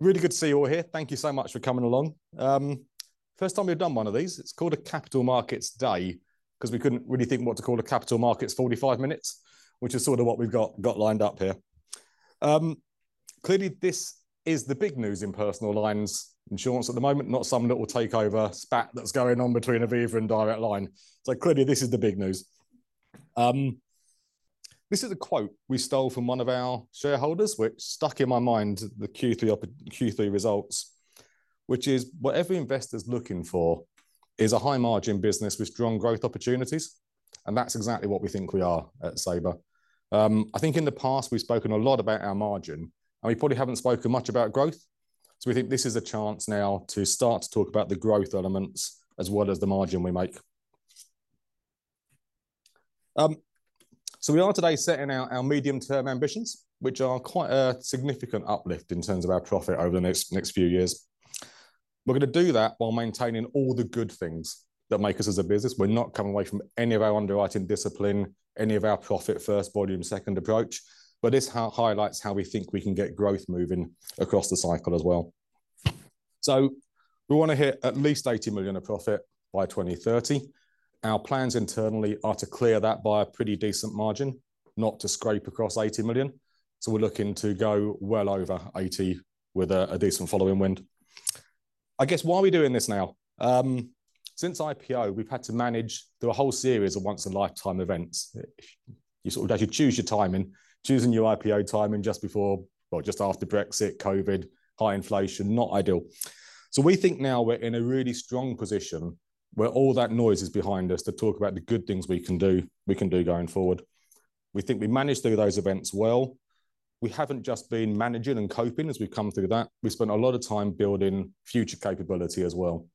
Really good to see you all here. Thank you so much for coming along. First time we've done one of these. It's called a Capital Markets Day, 'cause we couldn't really think what to call a Capital Markets 45 minutes, which is sort of what we've got lined up here. Clearly this is the big news in personal lines insurance at the moment, not some little takeover spat that's going on between Aviva and Direct Line. Clearly this is the big news. This is a quote we stole from one of our shareholders, which stuck in my mind the Q3 results, which is, "What every investor's looking for is a high margin business with strong growth opportunities." That's exactly what we think we are at Sabre. I think in the past we've spoken a lot about our margin. We probably haven't spoken much about growth. We think this is a chance now to start to talk about the growth elements as well as the margin we make. We are today setting out our medium-term ambitions, which are quite a significant uplift in terms of our profit over the next few years. We're gonna do that while maintaining all the good things that make us as a business. We're not coming away from any of our underwriting discipline, any of our profit first, volume second approach. This highlights how we think we can get growth moving across the cycle as well. We wanna hit at least 80 million of profit by 2030. Our plans internally are to clear that by a pretty decent margin, not to scrape across 80 million, so we're looking to go well over 80 with a decent following wind. I guess why are we doing this now? Since IPO, we've had to manage through a whole series of once-in-a-lifetime events. You sort of don't actually choose your timing. Choosing your IPO timing just after Brexit, COVID, high inflation, not ideal. We think now we're in a really strong position where all that noise is behind us to talk about the good things we can do going forward. We think we managed through those events well. We haven't just been managing and coping as we've come through that. We've spent a lot of time building future capability as well.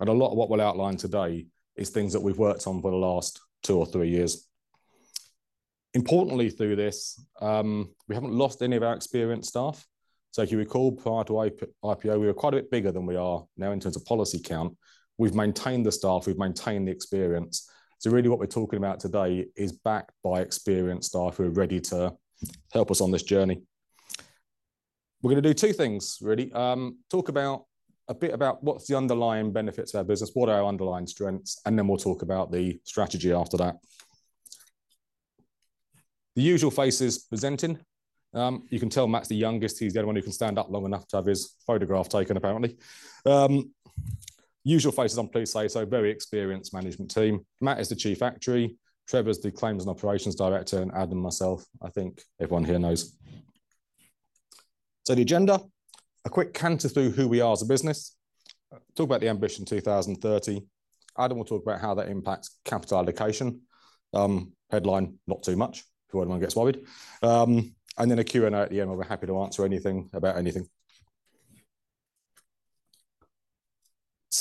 A lot of what we'll outline today is things that we've worked on for the last two or three years. Importantly through this, we haven't lost any of our experienced staff. If you recall, prior to IPO, we were quite a bit bigger than we are now in terms of policy count. We've maintained the staff, we've maintained the experience. Really what we're talking about today is backed by experienced staff who are ready to help us on this journey. We're gonna do two things, really. Talk about a bit about what's the underlying benefit to our business, what are our underlying strengths. Then we'll talk about the strategy after that. The usual faces presenting. You can tell Matt's the youngest. He's the only one who can stand up long enough to have his photograph taken apparently. Usual faces on Sabre's side, so a very experienced management team. Matt is the Chief Actuary. Trevor's the Claims and Operations Director, and Adam and myself I think everyone here knows. The agenda, a quick canter through who we are as a business. Talk about the Ambition 2030. Adam will talk about how that impacts capital allocation. Headline, not too much before anyone gets worried. Then a Q&A at the end where we're happy to answer anything about anything.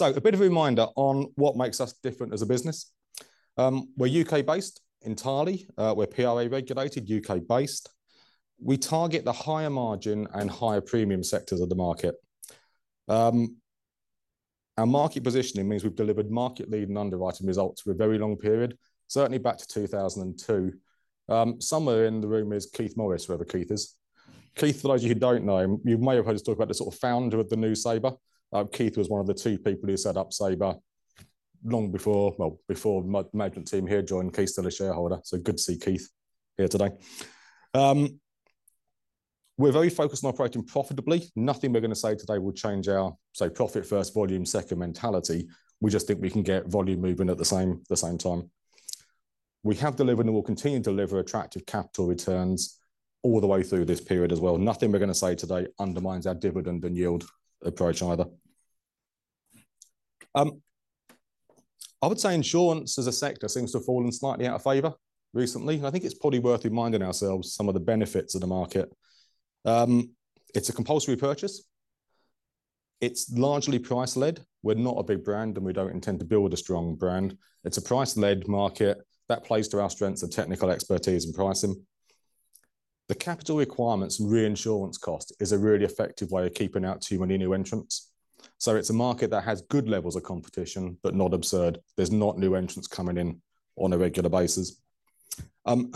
A bit of a reminder on what makes us different as a business. We're U.K.-based entirely. We're PRA-regulated, U.K.-based. We target the higher margin and higher premium sectors of the market. Our market positioning means we've delivered market leading underwriting results for a very long period, certainly back to 2002. Somewhere in the room is Keith Morris, wherever Keith is. Keith, for those of you who don't know him, you may have heard us talk about the sort of founder of the new Sabre. Keith was one of the two people who set up Sabre long before, well, before management team here joined. Keith's still a shareholder, good to see Keith here today. We're very focused on operating profitably. Nothing we're gonna say today will change our, say, profit first, volume second mentality. We just think we can get volume moving at the same time. We have delivered and will continue to deliver attractive capital returns all the way through this period as well. Nothing we're gonna say today undermines our dividend and yield approach either. I would say insurance as a sector seems to have fallen slightly out of favor recently. I think it's probably worth reminding ourselves some of the benefits of the market. It's a compulsory purchase. It's largely price-led. We're not a big brand. We don't intend to build a strong brand. It's a price-led market. That plays to our strengths of technical expertise and pricing. The capital requirements and reinsurance cost is a really effective way of keeping out too many new entrants. It's a market that has good levels of competition, not absurd. There's not new entrants coming in regularly.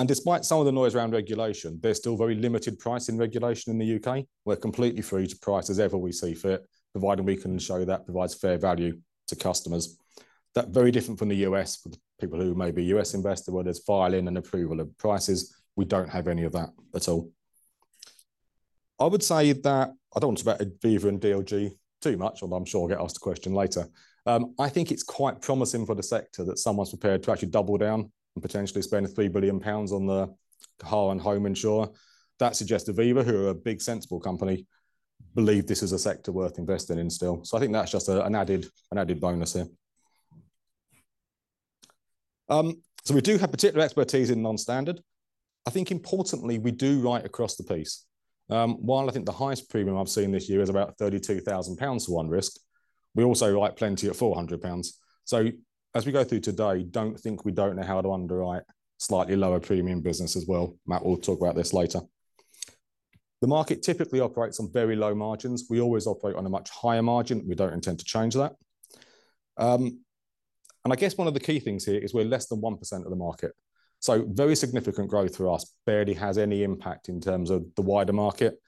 Despite some of the noise around regulation, there's still very limited pricing regulation in the U.K. We're completely free to price as ever we see fit, provided we can show that provides fair value to customers. That very different from the U.S. for the people who may be U.S. investor, where there's filing and approval of prices. We don't have any of that at all. I would say that I don't want to Aviva and DLG too much, although I'm sure I'll get asked a question later. I think it's quite promising for the sector that someone's prepared to actually double down and potentially spend 3 billion pounds on the car and home insurer. That suggests Aviva, who are a big, sensible company, believe this is a sector worth investing in still. I think that's just an added bonus there. We do have particular expertise in non-standard. I think importantly, we do write across the piece. While I think the highest premium I've seen this year is about 32,000 pounds for one risk, we also write plenty at 400 pounds. As we go through today, don't think we don't know how to underwrite slightly lower premium business as well. Matt will talk about this later. The market typically operates on very low margins. We always operate on a much higher margin. We don't intend to change that. I guess one of the key things here is we're less than 1% of the market. Very significant growth for us barely has any impact in terms of the wider market.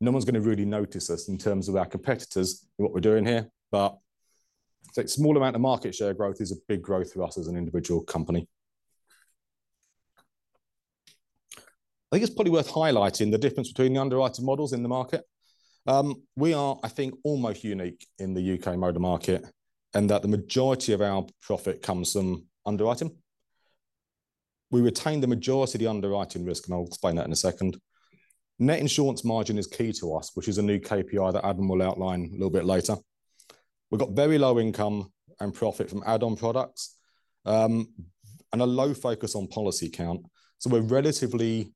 No one's gonna really notice us in terms of our competitors and what we're doing here. It's like small amount of market share growth is a big growth for us as an individual company. I think it's probably worth highlighting the difference between the underwriting models in the market. We are, I think, almost unique in the UK motor market, and that the majority of our profit comes from underwriting. We retain the majority of the underwriting risk, and I'll explain that in a second. Net insurance margin is key to us, which is a new KPI that Adam will outline a little bit later. We've got very low income and profit from add-on products, and a low focus on policy count, so we're relatively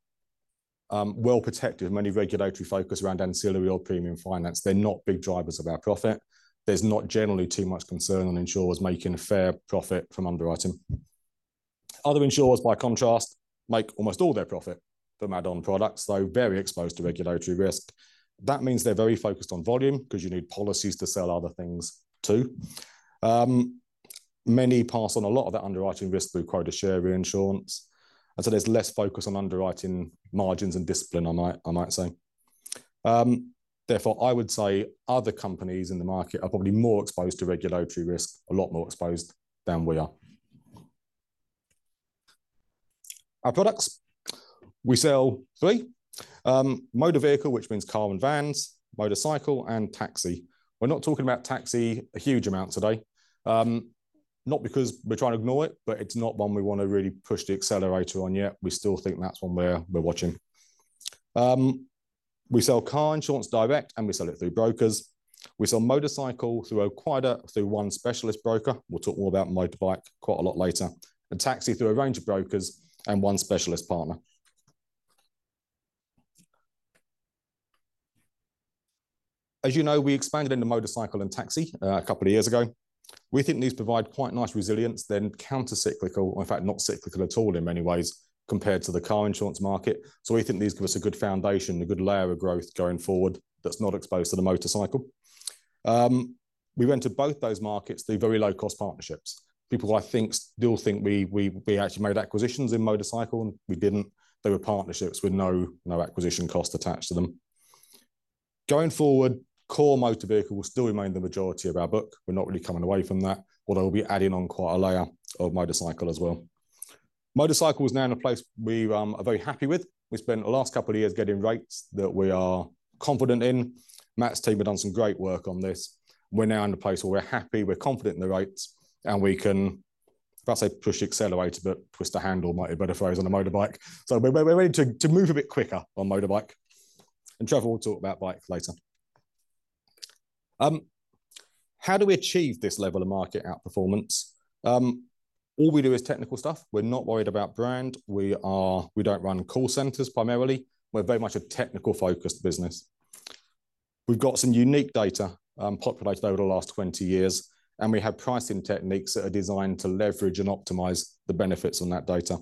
well protected. Many regulatory focus around ancillary or premium finance. They're not big drivers of our profit. There's not generally too much concern on insurers making a fair profit from underwriting. Other insurers, by contrast, make almost all their profit from add-on products, so very exposed to regulatory risk. That means they're very focused on volume because you need policies to sell other things too. Many pass on a lot of that underwriting risk through quota share reinsurance. There's less focus on underwriting margins and discipline, I might say. Therefore, I would say other companies in the market are probably more exposed to regulatory risk, a lot more exposed than we are. Our products. We sell three, motor vehicle, which means car and vans, motorcycle, and taxi. We're not talking about taxi a huge amount today, not because we're trying to ignore it, but it's not one we want to really push the accelerator on yet. We still think that's one we're watching. We sell car insurance direct, we sell it through brokers. We sell motorcycle through one specialist broker. We'll talk more about motorbike quite a lot later. Taxi through a range of brokers and one specialist partner. As you know, we expanded into motorcycle and taxi a couple of years ago. We think these provide quite nice resilience, they're countercyclical, or in fact not cyclical at all in many ways, compared to the car insurance market. We think these give us a good foundation, a good layer of growth going forward that's not exposed to the motorcycle. We went to both those markets through very low-cost partnerships. People I think still think we actually made acquisitions in motorcycle, we didn't. They were partnerships with no acquisition cost attached to them. Going forward, core motor vehicle will still remain the majority of our book. We're not really coming away from that, although we'll be adding on quite a layer of motorcycle as well. Motorcycle is now in a place we are very happy with. We spent the last couple of years getting rates that we are confident in. Matt's team have done some great work on this. We're now in a place where we're happy, we're confident in the rates, and we can, if I say push the accelerator, but twist the handle might be a better phrase on a motorbike. We're ready to move a bit quicker on motorbike. Trevor will talk about bike later. How do we achieve this level of market outperformance? All we do is technical stuff. We're not worried about brand. We don't run call centers primarily. We're very much a technical-focused business. We've got some unique data, populated over the last 20 years. We have pricing techniques that are designed to leverage and optimize the benefits on that data.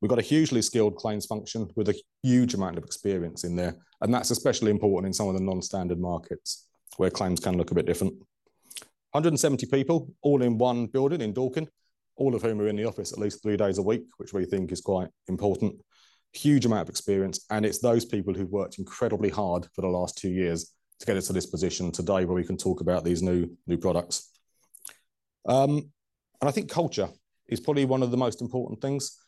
We've got a hugely skilled claims function with a huge amount of experience in there. That's especially important in some of the non-standard markets where claims can look a bit different. 170 people all in one building in Dorking, all of whom are in the office at least three days a week, which we think is quite important. Huge amount of experience. It's those people who've worked incredibly hard for the last two years to get us to this position today where we can talk about these new products. I think culture is probably one of the most important things.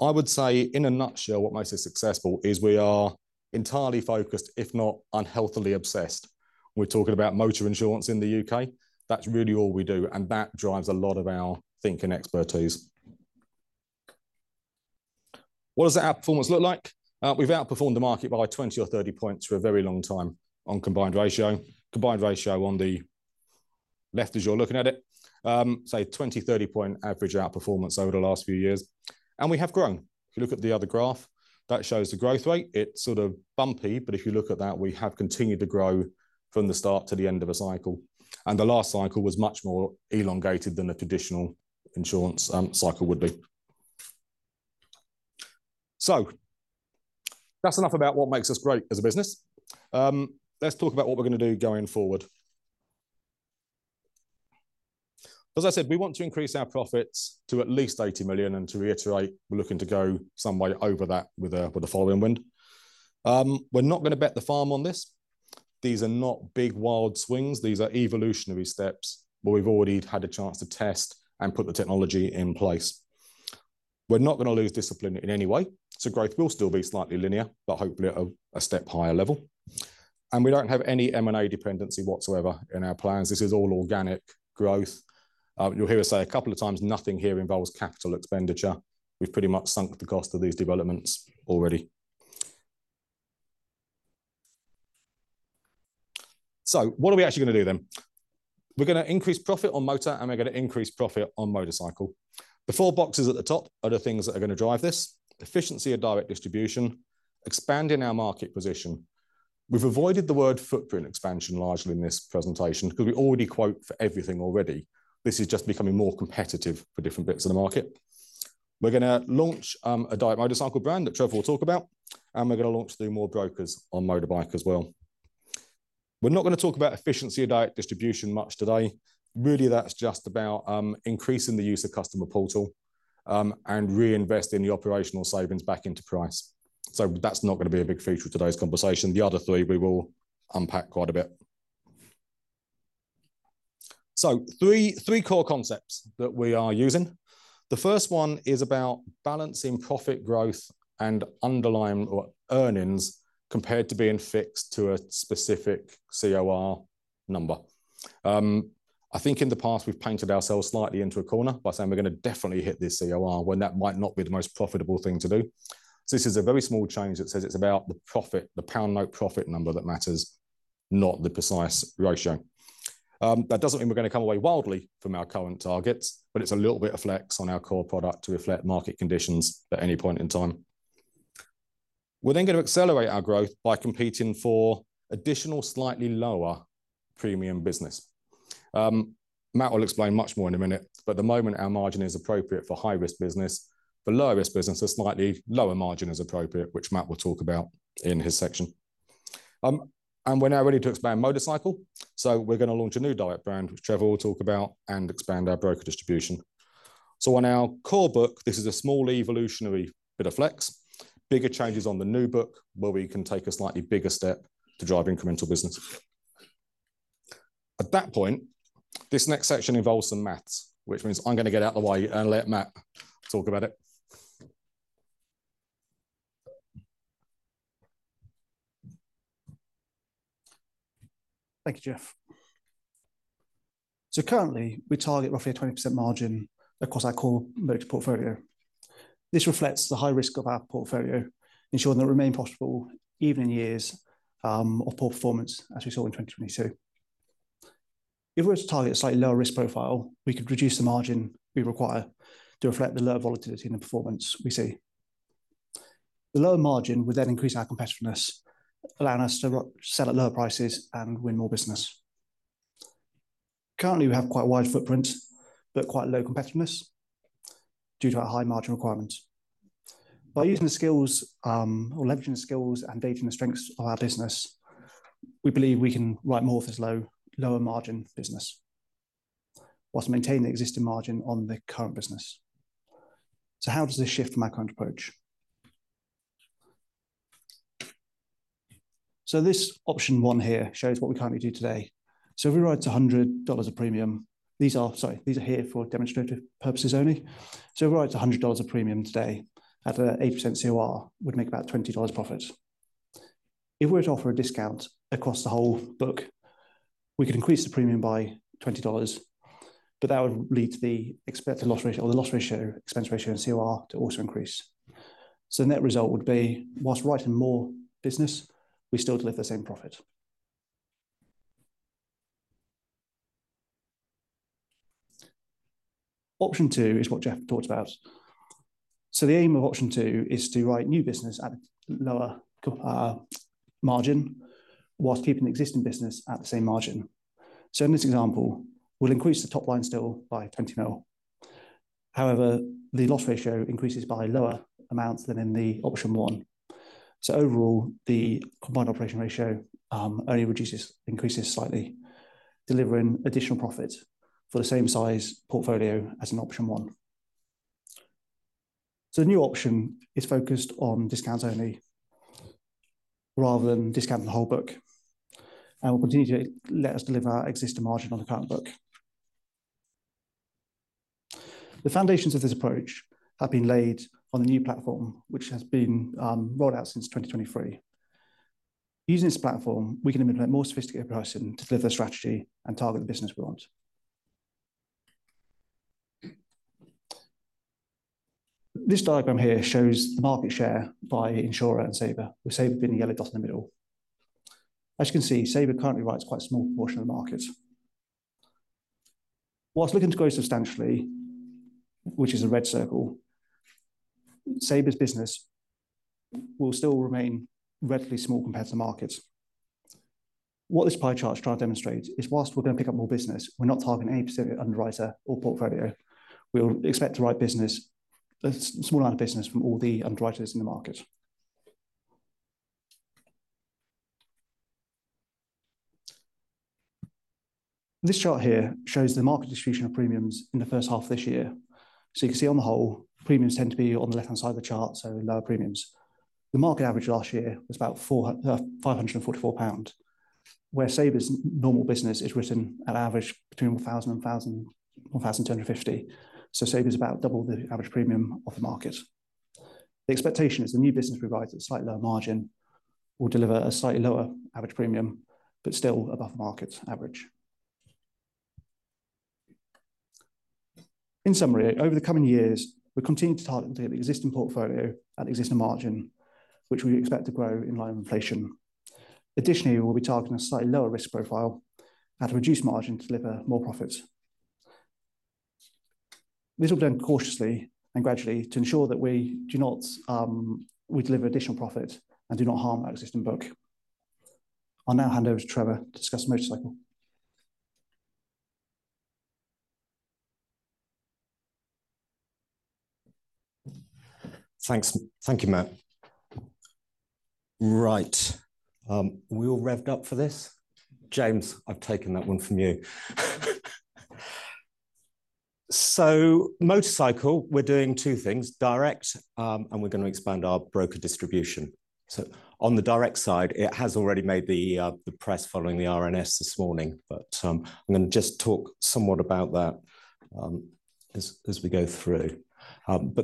I would say in a nutshell what makes us successful is we are entirely focused, if not unhealthily obsessed. We're talking about motor insurance in the U.K. That's really all we do, and that drives a lot of our think and expertise. What does our outperformance look like? We've outperformed the market by 20 or 30 points for a very long time on combined ratio. Combined ratio on the left as you're looking at it. 20, 30-point average outperformance over the last few years. We have grown. If you look at the other graph, that shows the growth rate. It's sort of bumpy, but if you look at that, we have continued to grow from the start to the end of a cycle, and the last cycle was much more elongated than the traditional insurance cycle would be. That's enough about what makes us great as a business. Let's talk about what we're going to do going forward. As I said, we want to increase our profits to at least 80 million, and to reiterate, we're looking to go some way over that with a, with the following wind. We're not going to bet the farm on this. These are not big wild swings. These are evolutionary steps, but we've already had a chance to test and put the technology in place. We're not going to lose discipline in any way, so growth will still be slightly linear, but hopefully at a step higher level. We don't have any M&A dependency whatsoever in our plans. This is all organic growth. You'll hear us say a couple of times nothing here involves capital expenditure. We've pretty much sunk the cost of these developments already. What are we actually going to do? We're going to increase profit on motor, we're going to increase profit on motorcycle. The four boxes at the top are the things that are going to drive this. Efficiency of direct distribution, expanding our market position. We've avoided the word footprint expansion largely in this presentation because we already quote for everything already. This is just becoming more competitive for different bits of the market. We're going to launch a direct motorcycle brand that Trevor will talk about. We're going to launch through more brokers on motorbike as well. We're not going to talk about efficiency of direct distribution much today. Really, that's just about increasing the use of customer portal, reinvesting the operational savings back into price. That's not going to be a big feature of today's conversation. The other three we will unpack quite a bit. Three core concepts that we are using. The first one is about balancing profit growth and underlying or earnings compared to being fixed to a specific COR number. I think in the past we've painted ourselves slightly into a corner by saying we're gonna definitely hit this COR when that might not be the most profitable thing to do. This is a very small change that says it's about the profit, the pound note profit number that matters, not the precise ratio. That doesn't mean we're gonna come away wildly from our current targets, but it's a little bit of flex on our core product to reflect market conditions at any point in time. We're gonna accelerate our growth by competing for additional slightly lower premium business. Matt will explain much more in a minute. The moment our margin is appropriate for high-risk business. For low-risk business, a slightly lower margin is appropriate, which Matt will talk about in his section. We're now ready to expand motorcycle. We're gonna launch a new direct brand, which Trevor will talk about and expand our broker distribution. On our core book, this is a small evolutionary bit of flex. Bigger changes on the new book, where we can take a slightly bigger step to drive incremental business. At that point, this next section involves some math, which means I'm gonna get out the way and let Matt talk about it. Thank you, Geoff. Currently, we target roughly a 20% margin across our core motors portfolio. This reflects the high risk of our portfolio, ensuring they remain profitable even in years of poor performance, as we saw in 2022. If we were to target a slightly lower risk profile, we could reduce the margin we require to reflect the lower volatility and the performance we see. The lower margin would then increase our competitiveness, allowing us to sell at lower prices and win more business. Currently, we have quite a wide footprint but quite low competitiveness due to our high margin requirements. By using the skills, or leveraging the skills and data and the strengths of our business, we believe we can write more of this low, lower margin business whilst maintaining the existing margin on the current business. How does this shift from our current approach? This Option 1 here shows what we currently do today. If we write GBP 100 of premium. These are, sorry, these are here for demonstrative purposes only. If we write GBP 100 of premium today at a 8% COR, we'd make about GBP 20 profit. If we're to offer a discount across the whole book, we could increase the premium by $20, but that would lead to the expected loss ratio or the loss ratio, expense ratio, and COR to also increase. The net result would be, whilst writing more business, we still deliver the same profit. Option 2 is what Geoff talked about. The aim of Option 2 is to write new business at a lower margin whilst keeping the existing business at the same margin. In this example, we'll increase the top line still by 20 million. However, the loss ratio increases by lower amounts than in Option 1. Overall, the combined ratio only increases slightly, delivering additional profit for the same size portfolio as in Option 1. The new option is focused on discounts only rather than discounting the whole book, and will continue to let us deliver our existing margin on the current book. The foundations of this approach have been laid on the new platform which has been rolled out since 2023. Using this platform, we can implement more sophisticated pricing to deliver the strategy and target the business we want. This diagram here shows the market share by insurer and Sabre, with Sabre being the yellow dot in the middle. As you can see, Sabre currently writes quite a small portion of the market. Whilst looking to grow substantially, which is the red circle, Sabre's business will still remain relatively small compared to the market. What this pie chart is trying to demonstrate is whilst we're gonna pick up more business, we're not targeting any specific underwriter or portfolio. We'll expect to write business, a small amount of business from all the underwriters in the market. This chart here shows the market distribution of premiums in the first half of this year. You can see on the whole, premiums tend to be on the left-hand side of the chart, so lower premiums. The market average last year was about 544 pound, where Sabre's normal business is written at average between 1,000 and 1,050. Sabre's about double the average premium of the market. The expectation is the new business we write at a slightly lower margin will deliver a slightly lower average premium, but still above market average. In summary, over the coming years, we continue to target the existing portfolio at existing margin, which we expect to grow in line with inflation. Additionally, we'll be targeting a slightly lower risk profile at a reduced margin to deliver more profits. This will be done cautiously and gradually to ensure that we deliver additional profit and do not harm our existing book. I'll now hand over to Trevor to discuss motorcycle. Thanks. Thank you, Matt. Right. We all revved up for this? James, I've taken that one from you. Motorcycle, we're doing two things, direct, and we're going to expand our broker distribution. On the direct side, it has already made the press following the RNS this morning, but I'm going to just talk somewhat about that as we go through.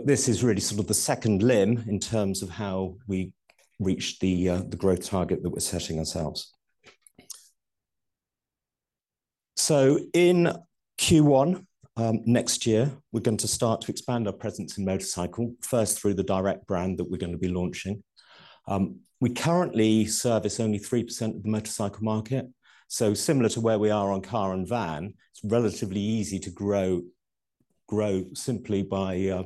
This is really sort of the second limb in terms of how we reach the growth target that we're setting ourselves. In Q1 next year, we're going to start to expand our presence in motorcycle, first through the direct brand that we're going to be launching. We currently service only 3% of the motorcycle market. Similar to where we are on car and van, it's relatively easy to grow simply by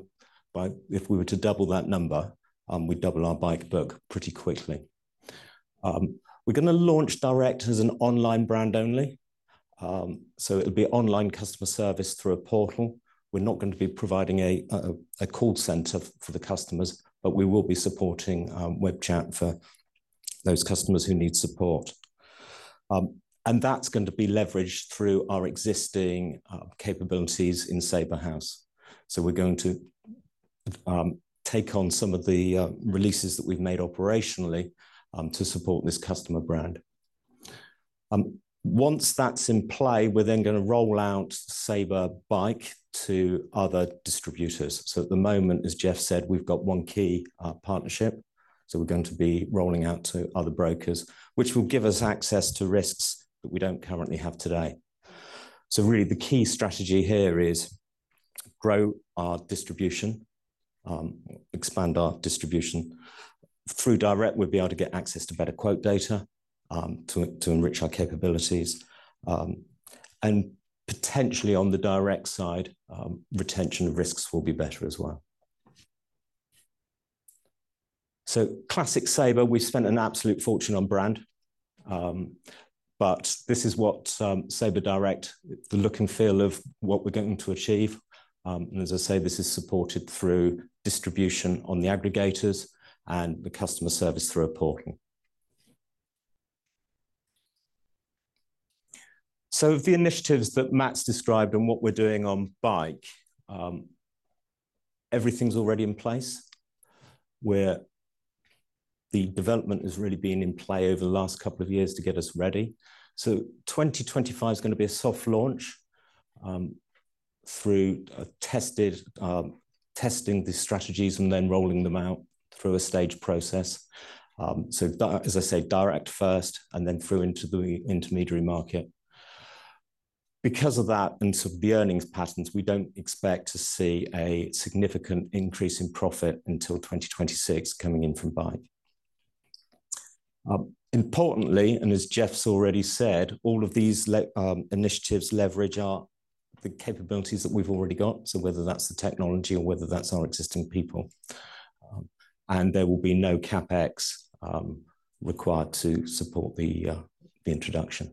by... If we were to double that number, we double our bike book pretty quickly. We're gonna launch Direct as an online brand only. It'll be online customer service through a portal. We're not gonna be providing a call center for the customers, but we will be supporting web chat for those customers who need support. And that's going to be leveraged through our existing capabilities in Sabre House. We're going to take on some of the releases that we've made operationally to support this customer brand. Once that's in play, we're then gonna roll out Sabre Bike to other distributors. At the moment, as Geoff said, we've got one key partnership, we're going to be rolling out to other brokers, which will give us access to risks that we don't currently have today. Really the key strategy here is grow our distribution, expand our distribution. Through direct, we'll be able to get access to better quote data, to enrich our capabilities. Potentially on the direct side, retention of risks will be better as well. Classic Sabre, we've spent an absolute fortune on brand. This is what Sabre Direct, the look and feel of what we're going to achieve. As I say, this is supported through distribution on the aggregators and the customer service through a portal. The initiatives that Matt's described and what we're doing on bike, everything's already in place, where the development has really been in play over the last couple of years to get us ready. 2025's going to be a soft launch, through testing the strategies and then rolling them out through a stage process. As I say, Direct first and then through into the intermediary market. Because of that and sort of the earnings patterns, we don't expect to see a significant increase in profit until 2026 coming in from Bike. Importantly, as Geoff's already said, all of these initiatives leverage our, the capabilities that we've already got, so whether that's the technology or whether that's our existing people. There will be no CapEx required to support the introduction.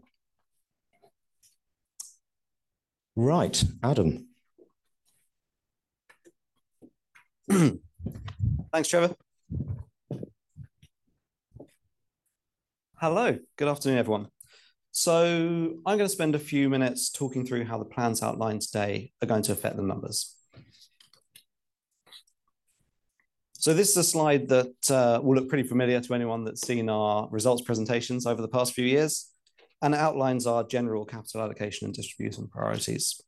Right. Adam. Thanks, Trevor. Hello. Good afternoon, everyone. I'm going to spend a few minutes talking through how the plans outlined today are going to affect the numbers. This is a slide that will look pretty familiar to anyone that's seen our results presentations over the past few years and outlines our general capital allocation and distribution priorities.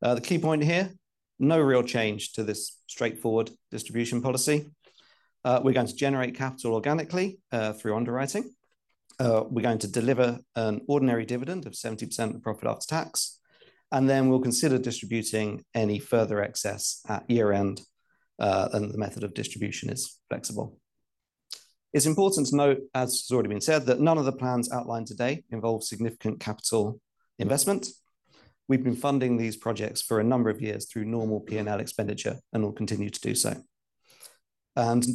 The key point here, no real change to this straightforward distribution policy. We're going to generate capital organically through underwriting. We're going to deliver an ordinary dividend of 70% of profit after tax, and then we'll consider distributing any further excess at year-end, and the method of distribution is flexible. It's important to note, as has already been said, that none of the plans outlined today involve significant capital investment. We've been funding these projects for a number of years through normal P&L expenditure and will continue to do so.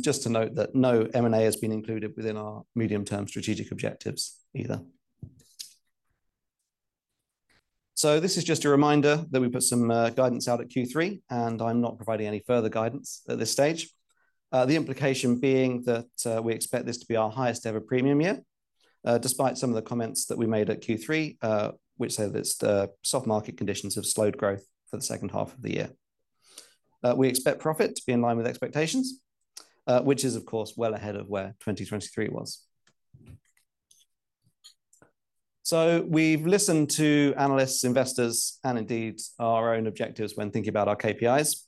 Just to note that no M&A has been included within our medium-term strategic objectives either. This is just a reminder that we put some guidance out at Q3, and I'm not providing any further guidance at this stage. The implication being that we expect this to be our highest ever premium year, despite some of the comments that we made at Q3, which say that soft market conditions have slowed growth for the second half of the year. We expect profit to be in line with expectations, which is of course, well ahead of where 2023 was. We've listened to analysts, investors, and indeed our own objectives when thinking about our KPIs,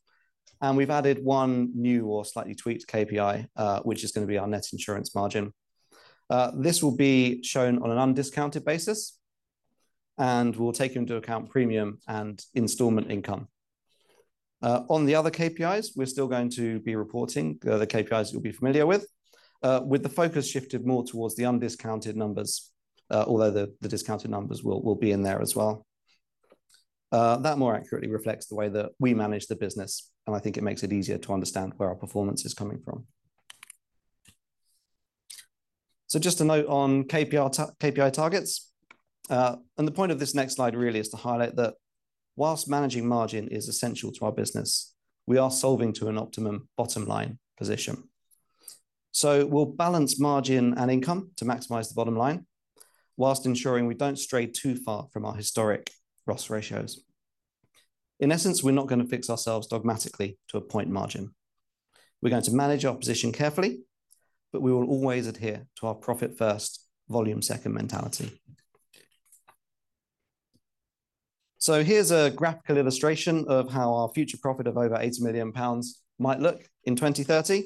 and we've added one new or slightly tweaked KPI, which is going to be our net insurance margin. This will be shown on an undiscounted basis and will take into account premium and installment income. On the other KPIs, we're still going to be reporting the other KPIs you'll be familiar with the focus shifted more towards the undiscounted numbers, although the discounted numbers will be in there as well. That more accurately reflects the way that we manage the business, and I think it makes it easier to understand where our performance is coming from. Just a note on KPI targets. The point of this next slide really is to highlight that while managing margin is essential to our business, we are solving to an optimum bottom line position. We'll balance margin and income to maximize the bottom line, while ensuring we don't stray too far from our historic loss ratios. In essence, we're not going to fix ourselves dogmatically to a point margin. We're going to manage our position carefully, but we will always adhere to our profit first, volume second mentality. Here's a graphical illustration of how our future profit of over 80 million pounds might look in 2030.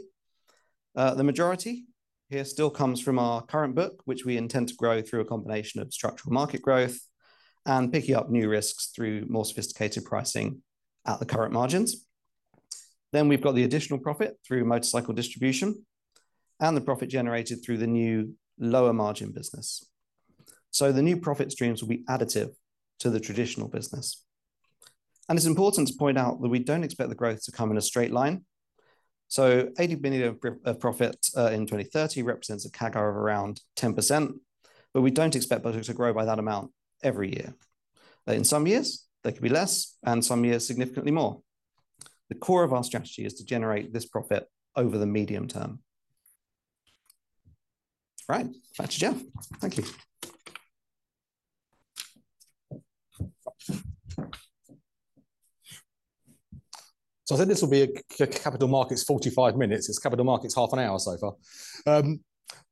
The majority here still comes from our current book, which we intend to grow through a combination of structural market growth and picking up new risks through more sophisticated pricing at the current margins. We've got the additional profit through motorcycle distribution, and the profit generated through the new lower margin business. The new profit streams will be additive to the traditional business. It's important to point out that we don't expect the growth to come in a straight line. 80 million of profit in 2030 represents a CAGR of around 10%, but we don't expect those to grow by that amount every year. In some years they could be less, and some years significantly more. The core of our strategy is to generate this profit over the medium term. Right. Back to Geoff. Thank you. I think this will be a Capital Markets 45 minutes. It's Capital Markets half an hour so far.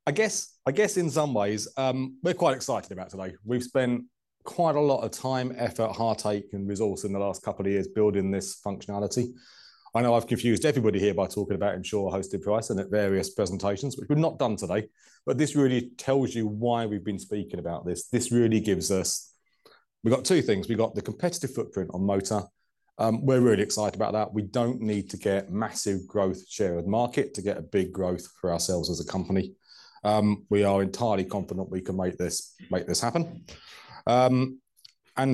I guess, I guess in some ways, we're quite excited about today. We've spent quite a lot of time, effort, heartache, and resource in the last couple of years building this functionality. I know I've confused everybody here by talking about insurer-hosted pricing and at various presentations, which we've not done today, but this really tells you why we've been speaking about this. This really gives us. We've got two things. We've got the competitive footprint on motor. We're really excited about that. We don't need to get massive growth share of the market to get a big growth for ourselves as a company. We are entirely confident we can make this happen.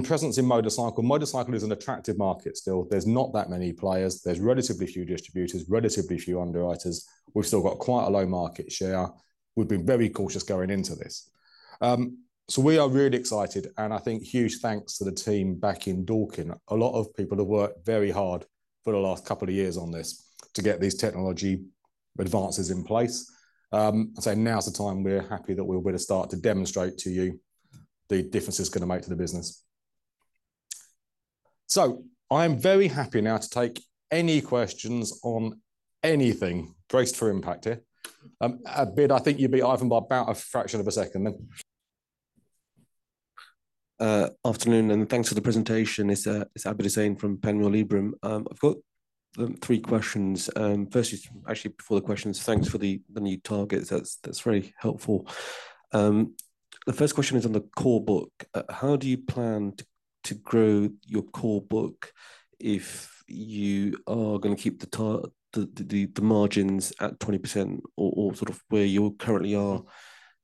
Presence in motorcycle. Motorcycle is an attractive market still. There's not that many players. There's relatively few distributors, relatively few underwriters. We've still got quite a low market share. We've been very cautious going into this. We are really excited, and I think huge thanks to the team back in Dorking. A lot of people have worked very hard for the last couple of years on this to get these technology advances in place. Now is the time we're happy that we're able to start to demonstrate to you the difference it's gonna make to the business. I am very happy now to take any questions on anything. Brace for impact here. Abid, I think you beat Ivan by about a fraction of a second then. Afternoon, and thanks for the presentation. It's Abid Hussain from Panmure Liberum. I've got three questions. Firstly, actually before the questions, thanks for the new targets. That's very helpful. The first question is on the core book. How do you plan to grow your core book if you are gonna keep the margins at 20% or sort of where you currently are?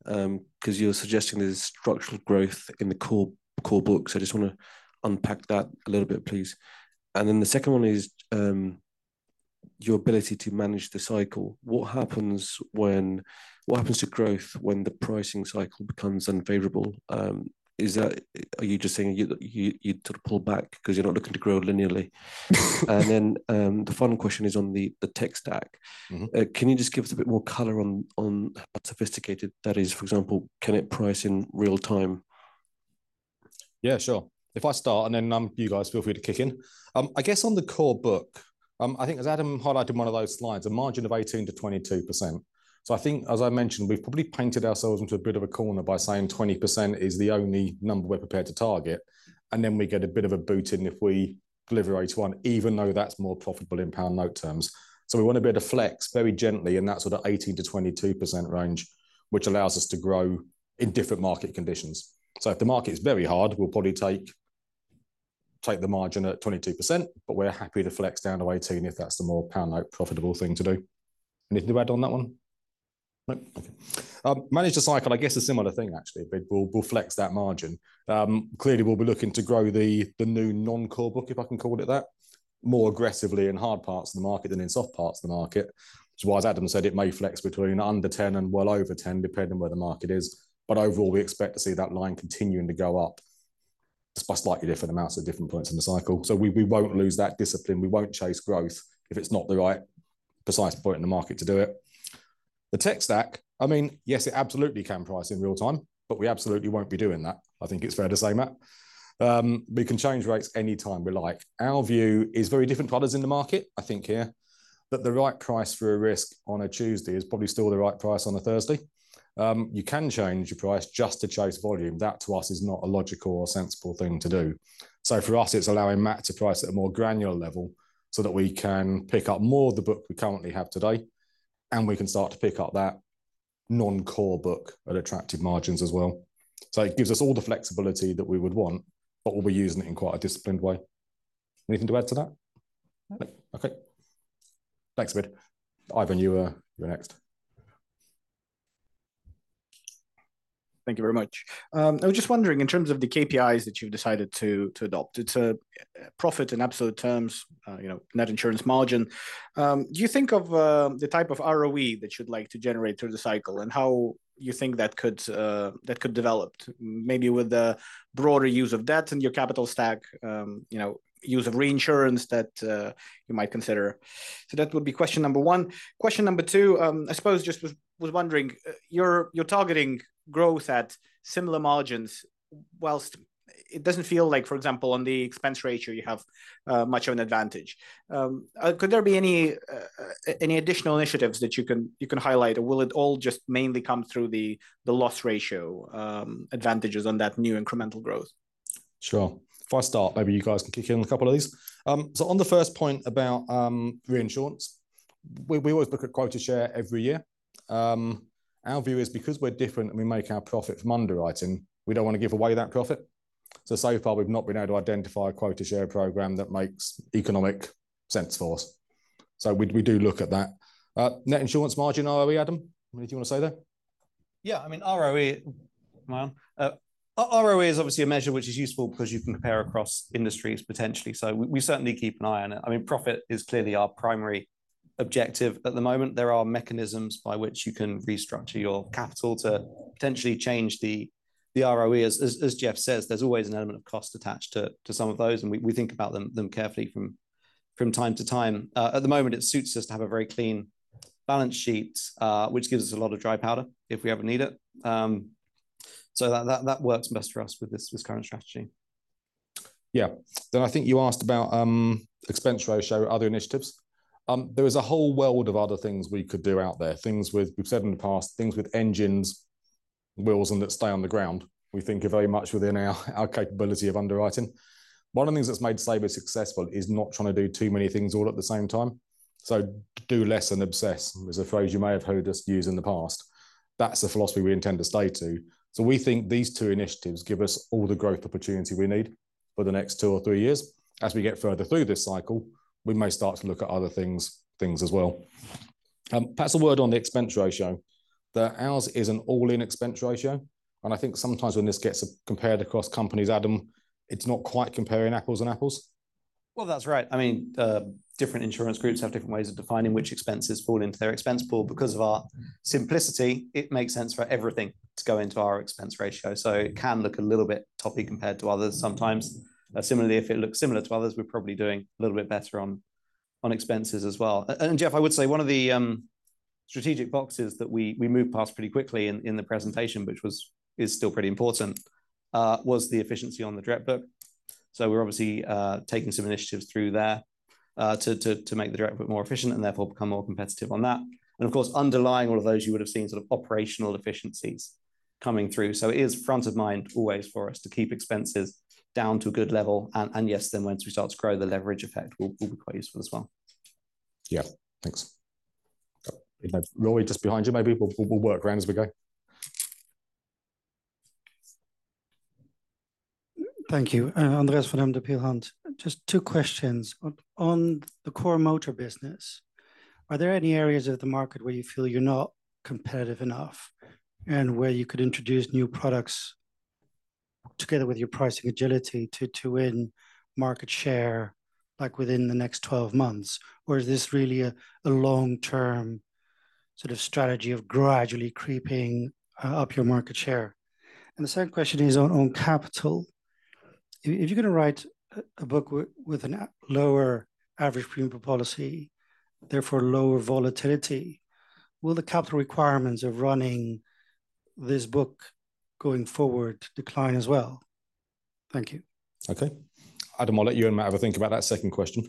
'Cause you're suggesting there's structural growth in the core books. I just wanna unpack that a little bit, please. The second one is your ability to manage the cycle. What happens to growth when the pricing cycle becomes unfavorable? Are you just saying you sort of pull back 'cause you're not looking to grow linearly? The final question is on the tech stack. Mm-hmm. Can you just give us a bit more color on how sophisticated that is? For example, can it price in real time? Sure. If I start, and then you guys feel free to kick in. I guess on the core book, I think as Adam highlighted one of those slides, a margin of 18%-22%. I think as I mentioned, we've probably painted ourselves into a bit of a corner by saying 20% is the only number we're prepared to target, and then we get a bit of a boot in if we deliver 81, even though that's more profitable in GBP note terms. We want to be able to flex very gently in that sort of 18%-22% range, which allows us to grow in different market conditions. If the market is very hard, we'll probably take the margin at 22%, but we're happy to flex down to 18% if that's the more pound note profitable thing to do. Anything to add on that one? Nope. Okay. Manage the cycle, I guess a similar thing actually. We'll flex that margin. Clearly, we'll be looking to grow the new non-core book, if I can call it that, more aggressively in hard parts of the market than in soft parts of the market. Which is why, as Adam said, it may flex between under 10% and well over 10%, depending where the market is. Overall, we expect to see that line continuing to go up just by slightly different amounts at different points in the cycle. We won't lose that discipline, we won't chase growth if it's not the right precise point in the market to do it. The tech stack, I mean, yes, it absolutely can price in real time, but we absolutely won't be doing that. I think it's fair to say, Matt. We can change rates any time we like. Our view is very different to others in the market, I think here, that the right price for a risk on a Tuesday is probably still the right price on a Thursday. You can change your price just to chase volume. That, to us, is not a logical or sensible thing to do. For us, it's allowing Matt to price at a more granular level so that we can pick up more of the book we currently have today, and we can start to pick up that non-core book at attractive margins as well. It gives us all the flexibility that we would want, but we'll be using it in quite a disciplined way. Anything to add to that? No. Okay. Thanks, Abid. Ivan, you're next. Thank you very much. I was just wondering, in terms of the KPIs that you've decided to adopt. It's a profit in absolute terms, you know, net insurance margin. Do you think of the type of ROE that you'd like to generate through the cycle, and how you think that could develop maybe with the broader use of debts in your capital stack, you know, use of reinsurance that you might consider? That would be question one. Question two, I suppose just was wondering, you're targeting growth at similar margins whilst it doesn't feel like, for example, on the expense ratio you have much of an advantage. Could there be any additional initiatives that you can highlight or will it all just mainly come through the loss ratio advantages on that new incremental growth? Sure. If I start, maybe you guys can kick in on a couple of these. On the first point about reinsurance, we always look at quota share every year. Our view is because we're different and we make our profit from underwriting, we don't wanna give away that profit. So far we've not been able to identify a quota share program that makes economic sense for us. We do look at that. Net insurance margin ROE, Adam, anything you wanna say there? I mean, ROE, well, ROE is obviously a measure which is useful 'cause you can compare across industries potentially, so we certainly keep an eye on it. I mean, profit is clearly our primary objective. At the moment there are mechanisms by which you can restructure your capital to potentially change the ROE. As Geoff says, there's always an element of cost attached to some of those, and we think about them carefully from time to time. At the moment it suits us to have a very clean balance sheet, which gives us a lot of dry powder if we ever need it. That works best for us with this current strategy. I think you asked about expense ratio, other initiatives. There is a whole world of other things we could do out there. We've said in the past, things with engines, wheels and that stay on the ground, we think are very much within our capability of underwriting. One of the things that's made Sabre successful is not trying to do too many things all at the same time. Do less and obsess was a phrase you may have heard us use in the past. That's the philosophy we intend to stay to. We think these two initiatives give us all the growth opportunity we need for the next two or three years. As we get further through this cycle, we may start to look at other things as well. Perhaps a word on the expense ratio. Ours is an all-in expense ratio, and I think sometimes when this gets compared across companies, Adam, it's not quite comparing apples and apples. Well, that's right. I mean, different insurance groups have different ways of defining which expenses fall into their expense pool. Because of our simplicity, it makes sense for everything to go into our expense ratio, so it can look a little bit toppy compared to others sometimes. Similarly, if it looks similar to others, we're probably doing a little bit better on expenses as well. Geoff, I would say one of the strategic boxes that we moved past pretty quickly in the presentation, is still pretty important, was the efficiency on the direct book. We're obviously taking some initiatives through there to make the direct book more efficient and therefore become more competitive on that. Of course, underlying all of those, you would've seen sort of operational efficiencies coming through. It is front of mind always for us to keep expenses down to a good level, and yes, then once we start to grow, the leverage effect will be quite useful as well. Yeah. Thanks. Rory, just behind you maybe. We'll work around as we go. Thank you. Andreas from Peel Hunt. Just two questions. On the core motor business, are there any areas of the market where you feel you're not competitive enough, and where you could introduce new products together with your pricing agility to win market share, like within the next 12 months? Or is this really a long-term sort of strategy of gradually creeping up your market share? The second question is on capital. If you're gonna write a book with a lower average premium policy, therefore lower volatility, will the capital requirements of running this book going forward decline as well? Thank you. Adam, I'll let you and Matt have a think about that second question.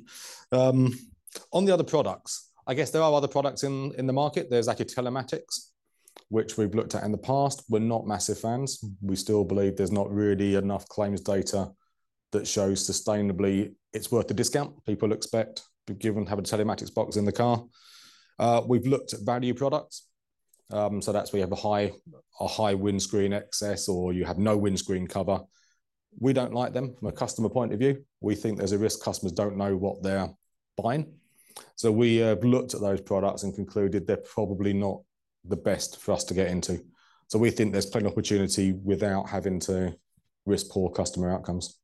On the other products, there are other products in the market. There's telematics, which we've looked at in the past. We're not massive fans. We still believe there's not really enough claims data that shows sustainably it's worth the discount people expect given having a telematics box in the car. We've looked at value products, that's where you have a high windscreen excess or you have no windscreen cover. We don't like them from a customer point of view. We think there's a risk customers don't know what they're buying. We have looked at those products and concluded they're probably not the best for us to get into. We think there's plenty of opportunity without having to risk poor customer outcomes.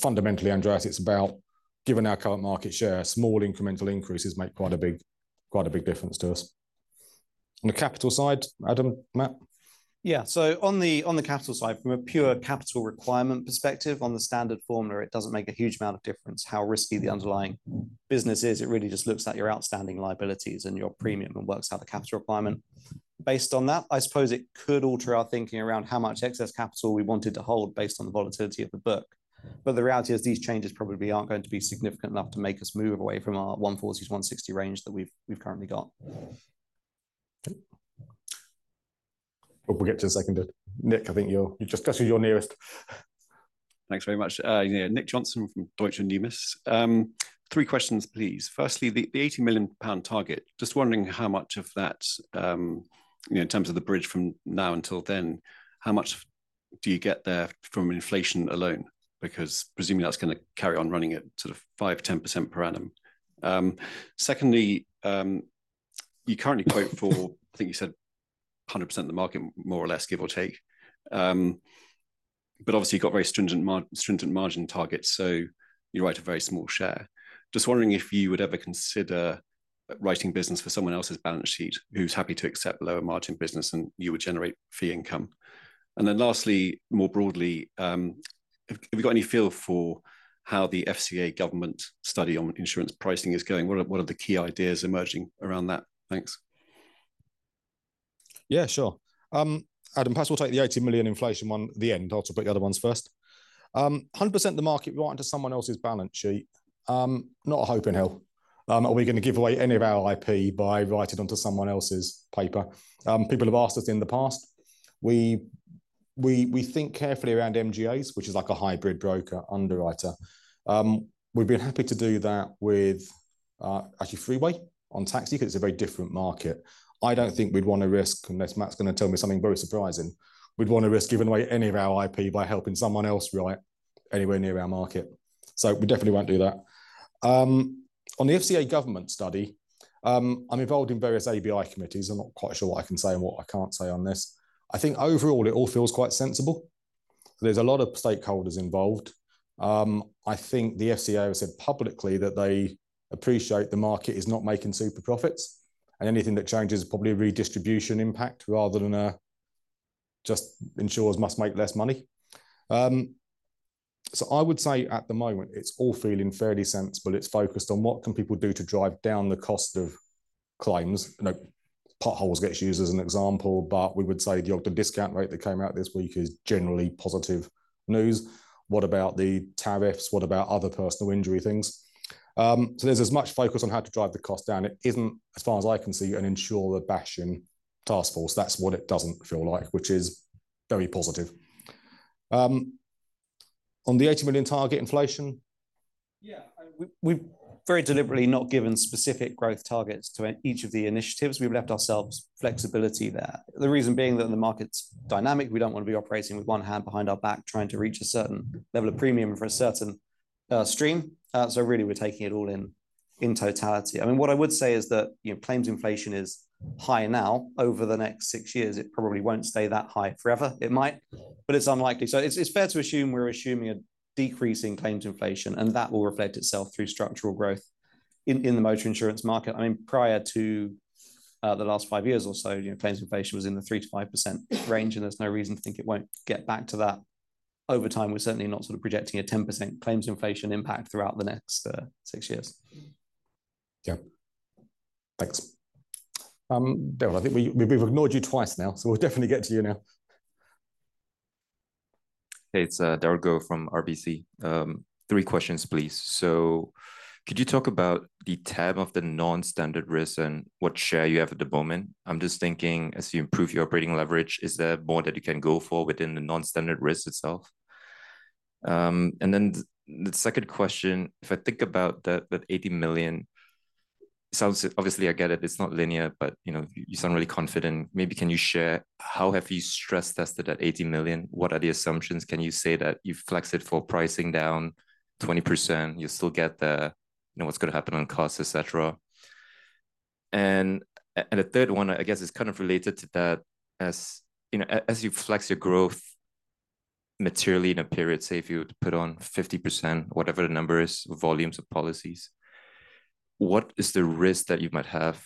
Fundamentally, Andreas, it's about giving our current market share, small incremental increases make quite a big difference to us. On the capital side, Adam, Matt? On the capital side, from a pure capital requirement perspective, on the Standard Formula, it doesn't make a huge amount of difference how risky the underlying business is. It really just looks at your outstanding liabilities and your premium, and works out the capital requirement. Based on that, I suppose it could alter our thinking around how much excess capital we wanted to hold based on the volatility of the book. The reality is these changes probably aren't going to be significant enough to make us move away from our 140s, 160 range that we've currently got. Okay. We'll get to the second bit. Nick, I think you're just 'cause you're nearest. Thanks very much. Yeah, Nick Johnson from Deutsche Numis. Three questions please. Firstly, the 80 million pound target, just wondering how much of that, you know, in terms of the bridge from now until then, how much do you get there from inflation alone? Because presumably that's gonna carry on running at sort of 5%, 10% per annum. Secondly, You currently quote for, I think you said 100% of the market, more or less, give or take. Obviously you've got very stringent margin targets, so you write a very small share. Just wondering if you would ever consider writing business for someone else's balance sheet who's happy to accept lower margin business and you would generate fee income? Lastly, more broadly, have you got any feel for how the FCA government study on insurance pricing is going? What are the key ideas emerging around that? Thanks. Yeah, sure. Adam, perhaps we'll take the 80 million inflation one at the end. I'll talk about the other ones first. 100% the market we write into someone else's balance sheet, not a hope in hell are we gonna give away any of our IP by writing onto someone else's paper. People have asked us in the past. We think carefully around MGAs, which is like a hybrid broker underwriter. We've been happy to do that with actually Freeway on taxi 'cause it's a very different market. I don't think we'd wanna risk, unless Matt's gonna tell me something very surprising, we'd wanna risk giving away any of our IP by helping someone else write anywhere near our market. We definitely won't do that. On the FCA government study, I'm involved in various ABI committees. I'm not quite sure what I can say and what I can't say on this. I think overall it all feels quite sensible. There's a lot of stakeholders involved. I think the FCA have said publicly that they appreciate the market is not making super profits, and anything that changes is probably a redistribution impact rather than a just insurers must make less money. I would say at the moment it's all feeling fairly sensible. It's focused on what can people do to drive down the cost of claims. You know, potholes gets used as an example, but we would say the Ogden discount rate that came out this week is generally positive news. What about the tariffs? What about other personal injury things? There's as much focus on how to drive the cost down. It isn't, as far as I can see, an insurer bashing task force. That's what it doesn't feel like, which is very positive. On the 80 million target inflation. Yeah. We've very deliberately not given specific growth targets to each of the initiatives. We've left ourselves flexibility there. The reason being that the market's dynamic, we don't wanna be operating with one hand behind our back trying to reach a certain level of premium for a certain stream. Really we're taking it all in totality. I mean, what I would say is that, you know, claims inflation is high now. Over the next six years, it probably won't stay that high forever. It might, but it's unlikely. It's fair to assume we're assuming a decrease in claims inflation, and that will reflect itself through structural growth in the motor insurance market. I mean, prior to, the last five years or so, you know, claims inflation was in the 3%-5% range, and there's no reason to think it won't get back to that over time. We're certainly not sort of projecting a 10% claims inflation impact throughout the next six years. Yeah. Thanks. Daryl, I think we've ignored you twice now. We'll definitely get to you now. Hey, it's Derald Goh from RBC. Three questions please. Could you talk about the tab of the non-standard risk and what share you have at the moment? I'm just thinking as you improve your operating leverage, is there more that you can go for within the non-standard risk itself? The second question, if I think about that 80 million. Obviously, I get it's not linear, but, you know, you sound really confident. Maybe can you share how have you stress-tested at 80 million? What are the assumptions? Can you say that you've flexed it for pricing down 20%, you still get the, you know, what's gonna happen on costs, et cetera. The third one I guess is kind of related to that. As, you know, as you flex your growth materially in a period, say, if you were to put on 50%, whatever the number is, volumes of policies, what is the risk that you might have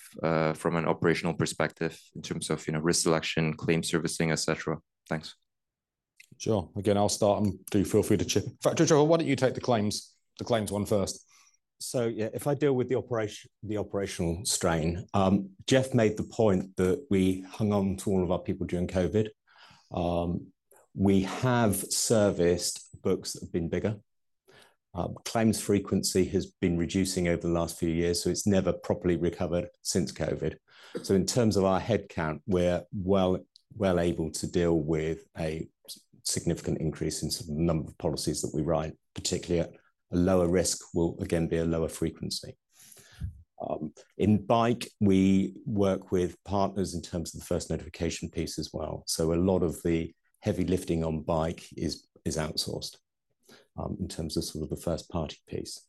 from an operational perspective in terms of, you know, risk selection, claim servicing, et cetera? Thanks. Sure. Again, I'll start and do feel free to chip in. In fact, Trevor, why don't you take the claims one first. Yeah, if I deal with the operation, the operational strain, Geoff made the point that we hung on to all of our people during COVID. We have serviced books that have been bigger. Claims frequency has been reducing over the last few years, so it's never properly recovered since COVID. In terms of our headcount, we're well able to deal with a significant increase in sort of the number of policies that we write, particularly at a lower risk will again be a lower frequency. In bike we work with partners in terms of the first notification piece as well. A lot of the heavy lifting on bike is outsourced in terms of sort of the first party piece.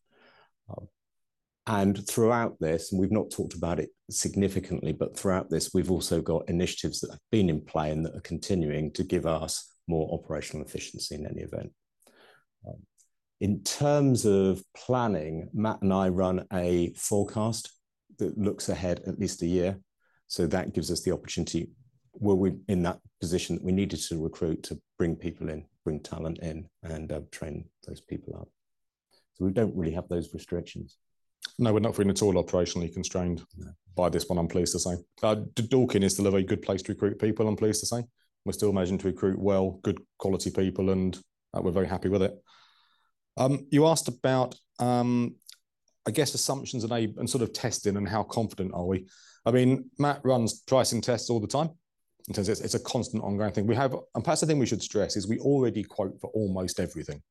Throughout this, and we've not talked about it significantly, but throughout this we've also got initiatives that have been in play and that are continuing to give us more operational efficiency in any event. In terms of planning, Matt and I run a forecast that looks ahead at least a year. That gives us the opportunity, were we in that position, that we needed to recruit, to bring people in, bring talent in, and train those people up. We don't really have those restrictions. No, we're not feeling at all operationally constrained. No... by this one, I'm pleased to say. Dorking is still a very good place to recruit people, I'm pleased to say. We're still managing to recruit well, good quality people, and we're very happy with it. You asked about, I guess assumptions and sort of testing and how confident are we. I mean, Matt runs pricing tests all the time in terms of it's a constant ongoing thing. Perhaps the thing we should stress is we already quote for almost everything,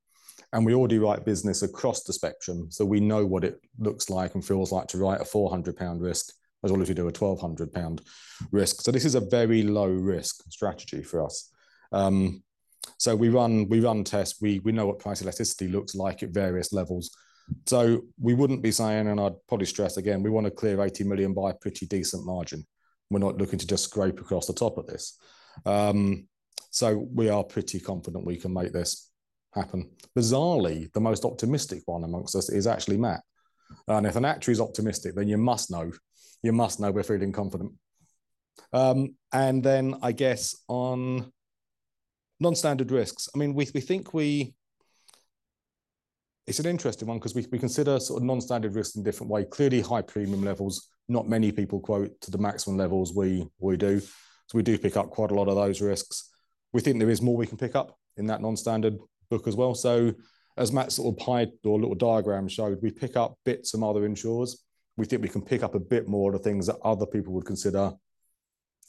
and we already write business across the spectrum, so we know what it looks like and feels like to write a 400 pound risk as well as we do a 1,200 pound risk. This is a very low risk strategy for us. We run tests. We know what price elasticity looks like at various levels. We wouldn't be saying, and I'd probably stress again, we want to clear 80 million by a pretty decent margin. We're not looking to just scrape across the top of this. We are pretty confident we can make this happen. Bizarrely, the most optimistic one amongst us is actually Matt. If an actuary's optimistic, you must know we're feeling confident. I guess on non-standard risks. I mean, it's an interesting one 'cause we consider sort of non-standard risks in a different way. Clearly, high premium levels, not many people quote to the maximum levels we do. We do pick up quite a lot of those risks. We think there is more we can pick up in that non-standard book as well. As Matt's little pie or little diagram showed, we pick up bits from other insurers. We think we can pick up a bit more of the things that other people would consider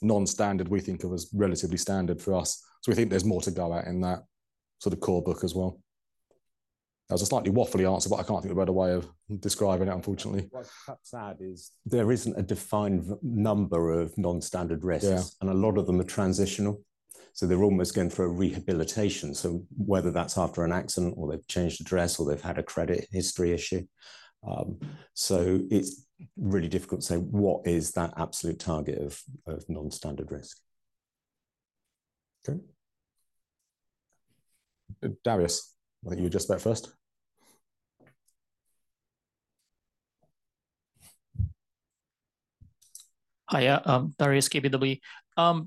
non-standard, we think of as relatively standard for us. We think there's more to go at in that sort of core book as well. That was a slightly waffly answer, but I can't think of a better way of describing it, unfortunately. What's perhaps add is there isn't a defined number of non-standard risks. Yeah. A lot of them are transitional, so they're almost going for a rehabilitation. Whether that's after an accident, or they've changed address, or they've had a credit history issue. It's really difficult to say what is that absolute target of non-standard risk. Okay. Darius, why don't you just start first? Hiya. I'm Darius, KBW.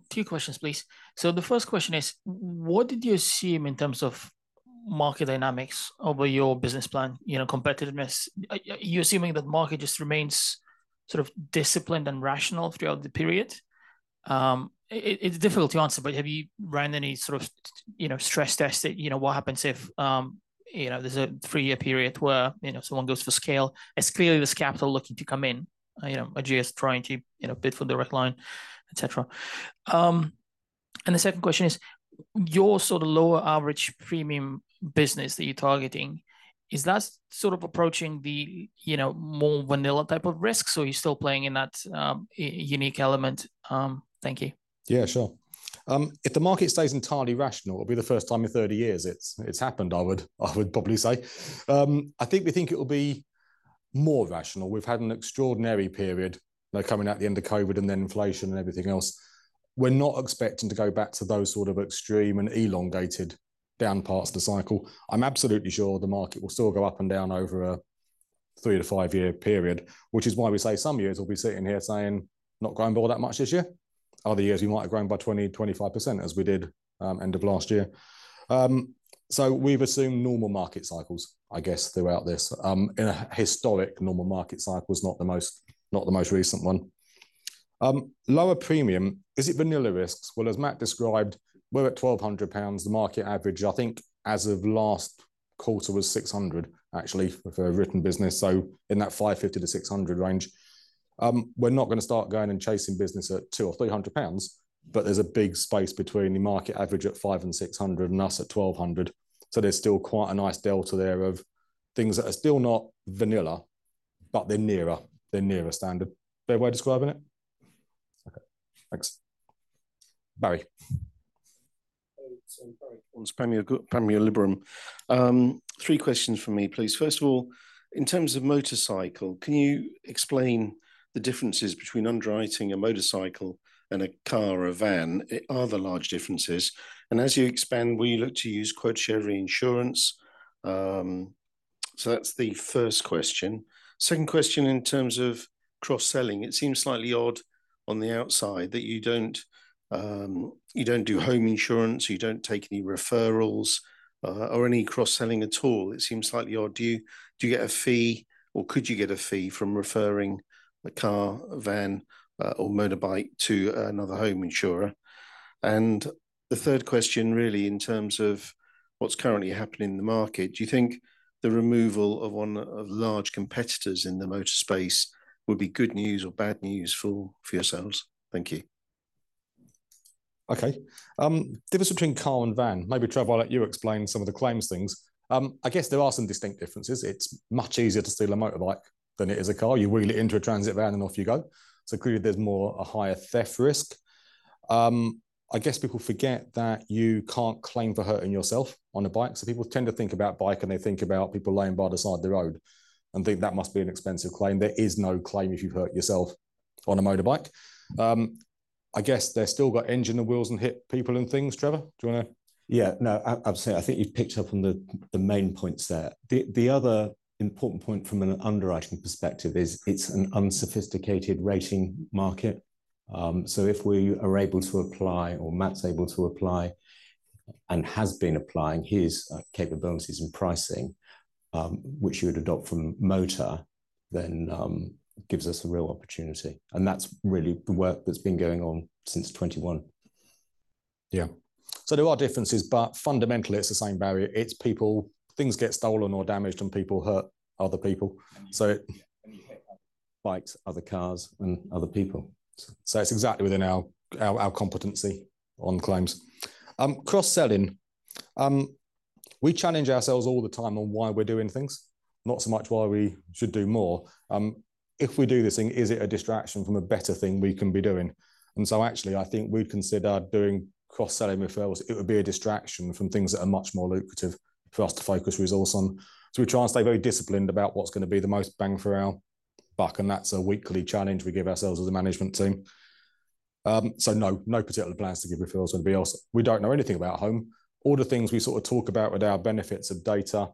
Two questions please. The first question is, what did you assume in terms of market dynamics over your business plan, you know, competitiveness. You're assuming that market just remains sort of disciplined and rational throughout the period? It's difficult to answer, but have you ran any sort of, you know, stress tested, you know, what happens if, you know, there's a three-year period where, you know, someone goes for scale. It's clearly there's capital looking to come in, you know, Ageas is trying to, you know, bid for Direct Line, et cetera. The second question is, your sort of lower average premium business that you're targeting, is that sort of approaching the, you know, more vanilla type of risks, or are you still playing in that, unique element? Thank you. Yeah, sure. If the market stays entirely rational, it'll be the first time in 30 years it's happened, I would probably say. I think we think it'll be more rational. We've had an extraordinary period, you know, coming out the end of COVID and then inflation and everything else. We're not expecting to go back to those sort of extreme and elongated down parts of the cycle. I'm absolutely sure the market will still go up and down over a three to five-year period, which is why we say some years we'll be sitting here saying, "Not grown by that much this year." Other years, we might have grown by 20%, 25% as we did, end of last year. We've assumed normal market cycles, I guess, throughout this. In a historic normal market cycle, not the most recent one. Lower premium, is it vanilla risks? Well, as Matt described, we're at 1,200 pounds. The market average, I think as of last quarter, was 600, actually, for a written business, so in that 550-600 range. We're not gonna start going and chasing business at 200 or 300 pounds, but there's a big space between the market average at 500 and 600 and us at 1,200. There's still quite a nice delta there of things that are still not vanilla, but they're nearer standard. Better way of describing it? Okay. Thanks. Barrie. Barrie Cornes, Panmure Liberum. Three questions from me, please. First of all, in terms of motorcycle, can you explain the differences between underwriting a motorcycle and a car or a van? Are there large differences? And as you expand, will you look to use quota share reinsurance? That's the first question. Second question, in terms of cross-selling, it seems slightly odd on the outside that you don't, you don't do home insurance, you don't take any referrals, or any cross-selling at all. It seems slightly odd. Do you get a fee or could you get a fee from referring a car, a van, or motorbike to another home insurer? The third question really in terms of what's currently happening in the market, do you think the removal of one of the large competitors in the motor space would be good news or bad news for yourselves? Thank you. Difference between car and van. Maybe Trevor, I'll let you explain some of the claims things. I guess there are some distinct differences. It's much easier to steal a motorbike than it is a car. You wheel it into a transit van and off you go. Clearly, there's more, a higher theft risk. I guess people forget that you can't claim for hurting yourself on a bike. People tend to think about bike, and they think about people laying by the side of the road and think that must be an expensive claim. There is no claim if you've hurt yourself on a motorbike. I guess they've still got engine and wheels and hit people and things. Trevor, do you wanna... I would say I think you've picked up on the main points there. The other important point from an underwriting perspective is it's an unsophisticated rating market. If we are able to apply or Matt's able to apply, and has been applying his capabilities in pricing, which you would adopt from motor, then gives us a real opportunity, and that's really the work that's been going on since 2021. There are differences, but fundamentally it's the same barrier. It's people. Things get stolen or damaged, and people hurt other people. You hit other people. Bikes, other cars, and other people. It's exactly within our competency on claims. Cross-selling. We challenge ourselves all the time on why we're doing things, not so much why we should do more. If we do this thing, is it a distraction from a better thing we can be doing? Actually I think we'd consider doing cross-selling referrals, it would be a distraction from things that are much more lucrative for us to focus resource on. We try and stay very disciplined about what's gonna be the most bang for our buck, and that's a weekly challenge we give ourselves as a management team. No particular plans to give referrals. We don't know anything about home. All the things we sort of talk about with our benefits of data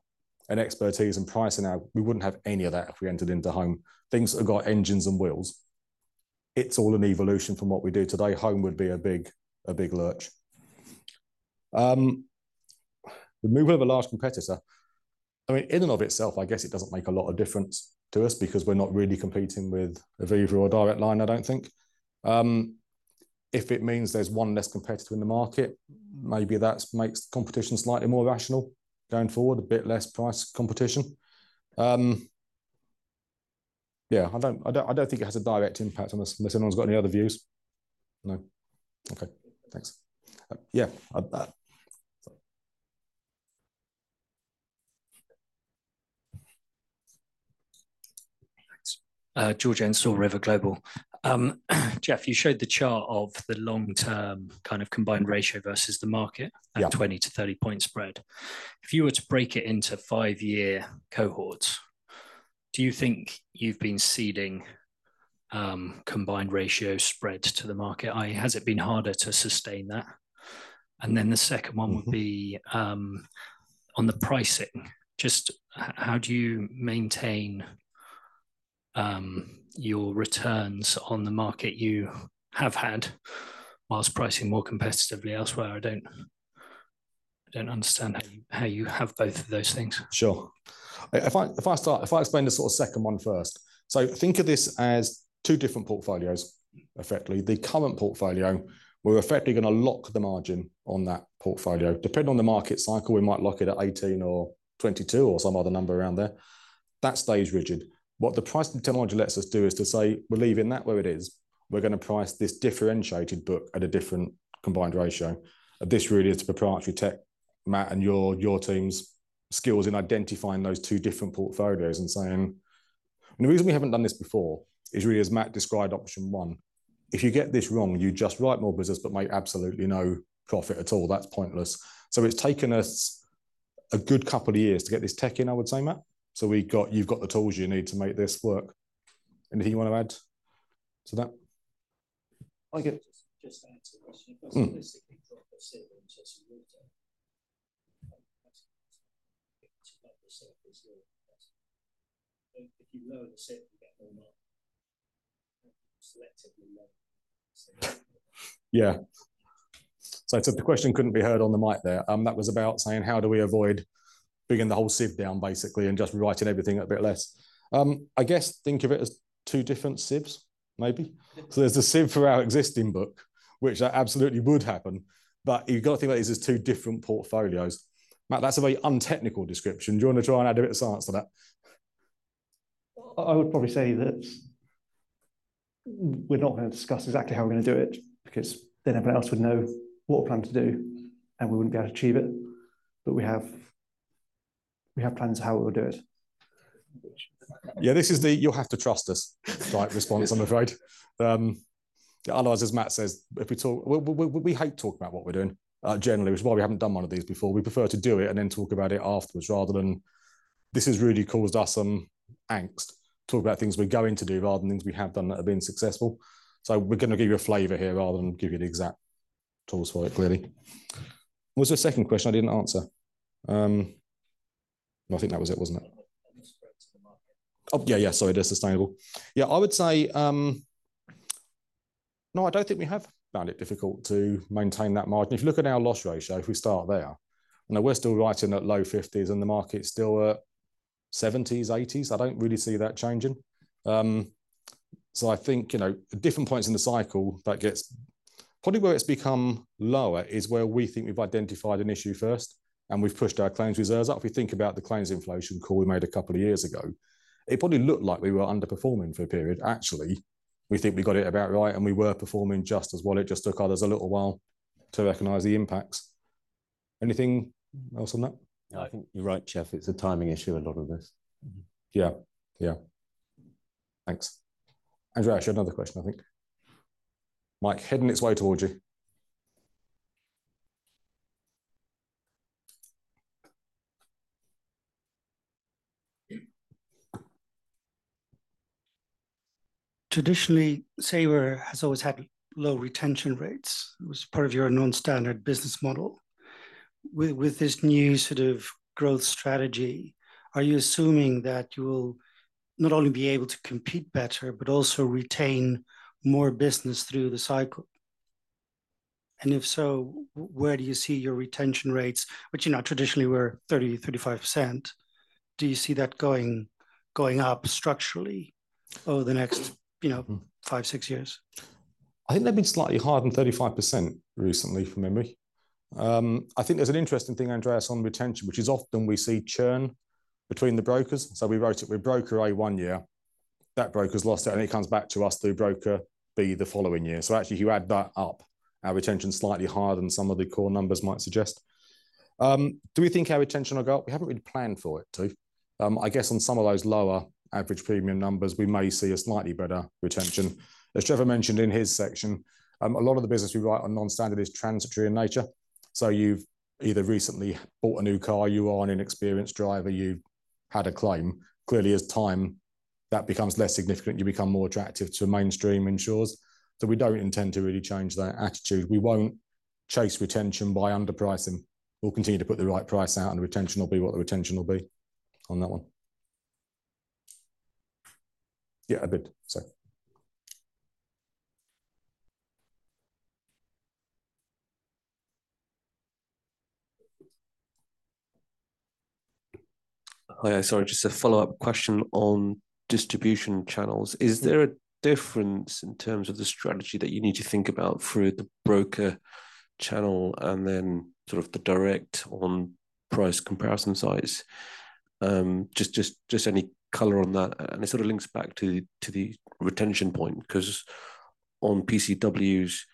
and expertise and pricing, we wouldn't have any of that if we entered into home. Things that have got engines and wheels. It's all an evolution from what we do today. Home would be a big lurch. The movement of a large competitor, I mean, in and of itself, I guess it doesn't make a lot of difference to us because we're not really competing with Aviva or Direct Line, I don't think. If it means there's one less competitor in the market, maybe that's makes competition slightly more rational going forward, a bit less price competition. Yeah, I don't think it has a direct impact on us, unless anyone's got any other views. No? Okay. Thanks. Yeah. Sorry. Thanks. George Ensor, River Global. Geoff, you showed the chart of the long-term kind of combined ratio versus the market- Yeah. At 20-30 point spread. If you were to break it into five-year cohorts, do you think you've been ceding combined ratio spreads to the market? Has it been harder to sustain that? The second one. Mm-hmm. would be, on the pricing, just how do you maintain, your returns on the market you have had whilst pricing more competitively elsewhere? I don't understand how you have both of those things. Sure. If I start, if I explain the second one first. Think of this as two different portfolios, effectively. The current portfolio, we're effectively gonna lock the margin on that portfolio. Depending on the market cycle, we might lock it at 18 or 22 or some other number around there. That stays rigid. What the pricing technology lets us do is to say, "We're leaving that where it is. We're gonna price this differentiated book at a different combined ratio." This really is the proprietary tech, Matt, and your team's skills in identifying those two different portfolios and saying. The reason we haven't done this before is really, as Matt described, Option 1. If you get this wrong, you just write more business but make absolutely no profit at all. That's pointless. It's taken us a good couple of years to get this tech in, I would say, Matt. You've got the tools you need to make this work. Anything you wanna add to that? I get- Just to add to the question. Mm-hmm. Basically drop the SIV and just. Yeah. So, the question couldn't be heard on the mic there. That was about saying how do we avoid bringing the whole SIV down, basically, and just writing everything a bit less. I guess think of it as two different SIVs, maybe. There's the SIV for our existing book, which that absolutely would happen, but you've got to think about these as two different portfolios. Matt, that's a very untechnical description. Do you wanna try and add a bit of science to that? I would probably say that we're not gonna discuss exactly how we're gonna do it, because then everyone else would know what we plan to do, and we wouldn't be able to achieve it. We have plans how we will do it. Yeah, this is the, "You'll have to trust us" type response, I'm afraid. Otherwise, as Matt says, if we talk, we hate talking about what we're doing, generally, which is why we haven't done one of these before. We prefer to do it and then talk about it afterwards, rather than talk about things we're going to do rather than things we have done that have been successful. This has really caused us some angst. We're gonna give you a flavor here rather than give you the exact tools for it, clearly. What was the second question I didn't answer? No, I think that was it, wasn't it? The spread to the market. Sorry, the sustainable. I would say, no, I don't think we have found it difficult to maintain that margin. If you look at our loss ratio, if we start there, you know, we're still writing at low 50s and the market's still at 70s, 80s. I don't really see that changing. I think, you know, at different points in the cycle, that gets lower. Probably where it's become lower is where we think we've identified an issue first, and we've pushed our claims reserves up. If you think about the claims inflation call we made a couple of years ago, it probably looked like we were underperforming for a period. Actually, we think we got it about right, and we were performing just as well. It just took others a little while to recognize the impacts. Anything else on that? No, I think you're right, Geoff. It's a timing issue, a lot of this. Mm-hmm. Yeah. Yeah. Thanks. Andreas, you had another question, I think. Mic heading its way towards you. Traditionally, Sabre has always had low retention rates. It was part of your non-standard business model. With this new sort of growth strategy, are you assuming that you'll not only be able to compete better, but also retain more business through the cycle? If so, where do you see your retention rates, which, you know, traditionally were 30%-35%, do you see that going up structurally over the next, you know, five, six years? I think they've been slightly higher than 35% recently, from memory. I think there's an interesting thing, Andreas, on retention, which is often we see churn between the brokers. We wrote it with broker A one year. That broker's lost it, and it comes back to us through broker B the following year. Actually, if you add that up, our retention's slightly higher than some of the core numbers might suggest. Do we think our retention will go up? We haven't really planned for it to. I guess on some of those lower average premium numbers, we may see a slightly better retention. As Trevor mentioned in his section, a lot of the business we write on non-standard is transitory in nature. You've either recently bought a new car, you are an inexperienced driver, you've had a claim. Clearly as time, that becomes less significant, you become more attractive to mainstream insurers. We don't intend to really change that attitude. We won't chase retention by underpricing. We'll continue to put the right price out, and the retention will be what the retention will be on that one. Yeah, Abid. Hi. Sorry, just a follow-up question on distribution channels. Is there a difference in terms of the strategy that you need to think about through the broker channel and then sort of the direct on price comparison sites? Just any color on that. It sort of links back to the retention point 'cause on PCWs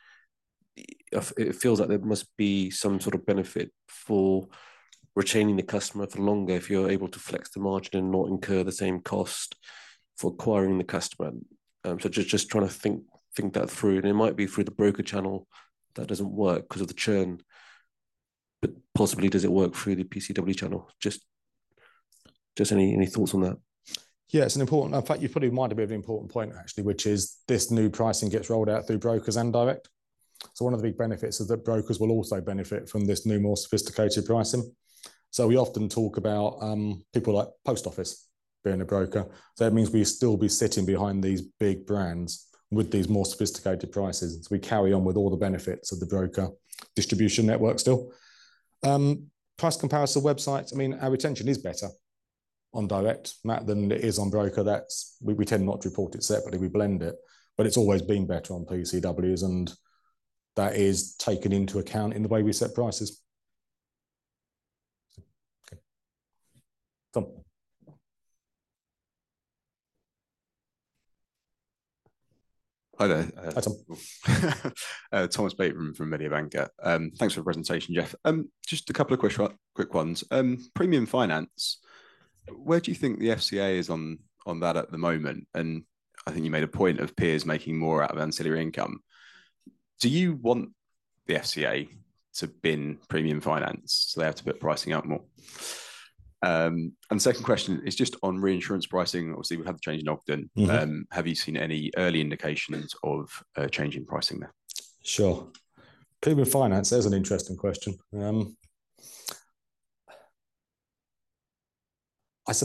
it feels like there must be some sort of benefit for retaining the customer for longer if you're able to flex the margin and not incur the same cost for acquiring the customer. Just trying to think that through. It might be through the broker channel that doesn't work 'cause of the churn, but possibly does it work through the PCW channel? Just any thoughts on that? In fact, you've probably reminded me of an important point actually, which is this new pricing gets rolled out through brokers and direct. One of the big benefits is that brokers will also benefit from this new, more sophisticated pricing. We often talk about people like Post Office being a broker. That means we'll still be sitting behind these big brands with these more sophisticated prices. We carry on with all the benefits of the broker distribution network still. Price comparison websites, I mean, our retention is better on direct, Matt, than it is on broker. We tend not to report it separately, we blend it, but it's always been better on PCWs, and that is taken into account in the way we set prices. Okay. Tom. Hi there. Thomas Bateman from Mediobanca. Thanks for the presentation, Geoff. Just a couple of quick ones. Premium finance, where do you think the FCA is on that at the moment? I think you made a point of peers making more out of ancillary income. Do you want the FCA to bin premium finance so they have to put pricing up more? Second question is just on reinsurance pricing. Obviously, we've had the change in Ogden. Mm-hmm. Have you seen any early indications of changing pricing there? Sure. Premium finance, there's an interesting question.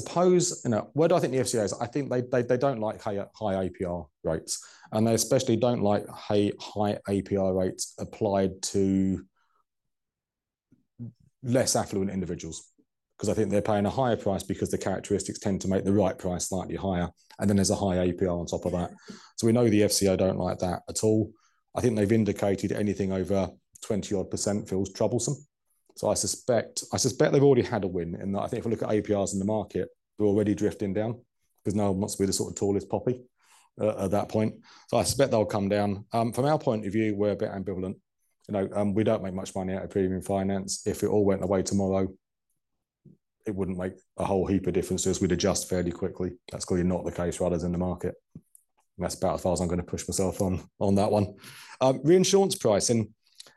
You know, where do I think the FCA is? I think they don't like high, high APR rates, and they especially don't like high, high APR rates applied to less affluent individuals, 'cause I think they're paying a higher price because the characteristics tend to make the right price slightly higher, and then there's a high APR on top of that. We know the FCA don't like that at all. I think they've indicated anything over 20% odd feels troublesome. I suspect they've already had a win in that. I think if we look at APRs in the market, we're already drifting down 'cause no one wants to be the sort of tallest poppy at that point. I suspect they'll come down. From our point of view, we're a bit ambivalent. You know, we don't make much money out of premium finance. If it all went away tomorrow, it wouldn't make a whole heap of difference to us. We'd adjust fairly quickly. That's clearly not the case for others in the market. That's about as far as I'm gonna push myself on that one. Reinsurance pricing,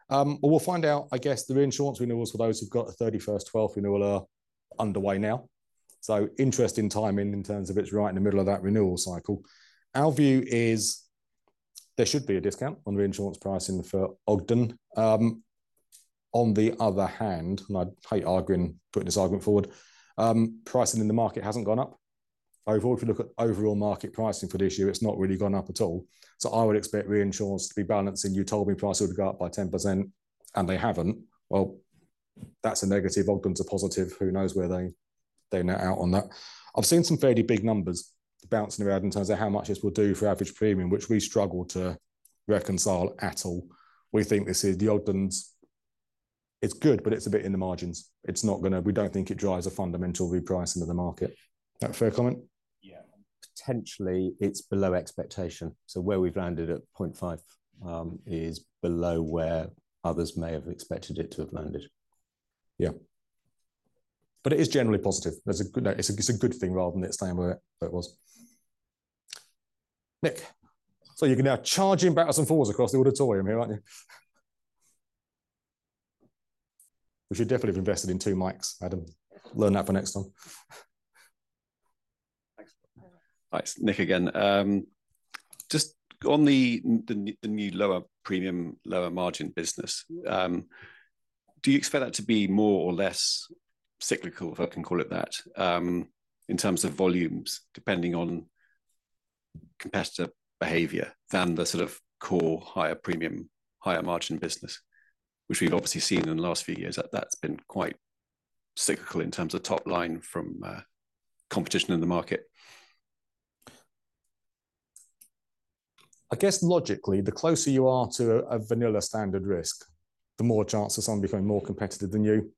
well, we'll find out, I guess, the reinsurance renewals for those who've got the 31st 12 renewal are underway now. Interesting timing in terms of it's right in the middle of that renewal cycle. Our view is there should be a discount on reinsurance pricing for Ogden. On the other hand, I hate arguing, putting this argument forward, pricing in the market hasn't gone up. Overall, if you look at overall market pricing for this year, it's not really gone up at all. I would expect reinsurance to be balancing. You told me price would go up by 10%, and they haven't. Well, that's a negative. Ogden's a positive. Who knows where they net out on that? I've seen some fairly big numbers bouncing around in terms of how much this will do for average premium, which we struggle to reconcile at all. We think The Ogden's, it's good, but it's a bit in the margins. We don't think it drives a fundamental repricing of the market. That a fair comment? Yeah. Potentially, it's below expectation. Where we've landed at 0.5 is below where others may have expected it to have landed. It is generally positive. It's a good thing rather than it staying where it was. Nick. You can now charge him backwards and forwards across the auditorium here, aren't you? We should definitely have invested in two mics, Adam. Learn that for next time. Thanks. Hi. Hi. It's Nick again. Just on the new lower premium, lower margin business, do you expect that to be more or less cyclical, if I can call it that, in terms of volumes, depending on competitor behavior than the sort of core higher premium, higher margin business? Which we've obviously seen in the last few years that that's been quite cyclical in terms of top line from competition in the market. I guess logically, the closer you are to a vanilla standard risk, the more chance there's someone becoming more competitive than you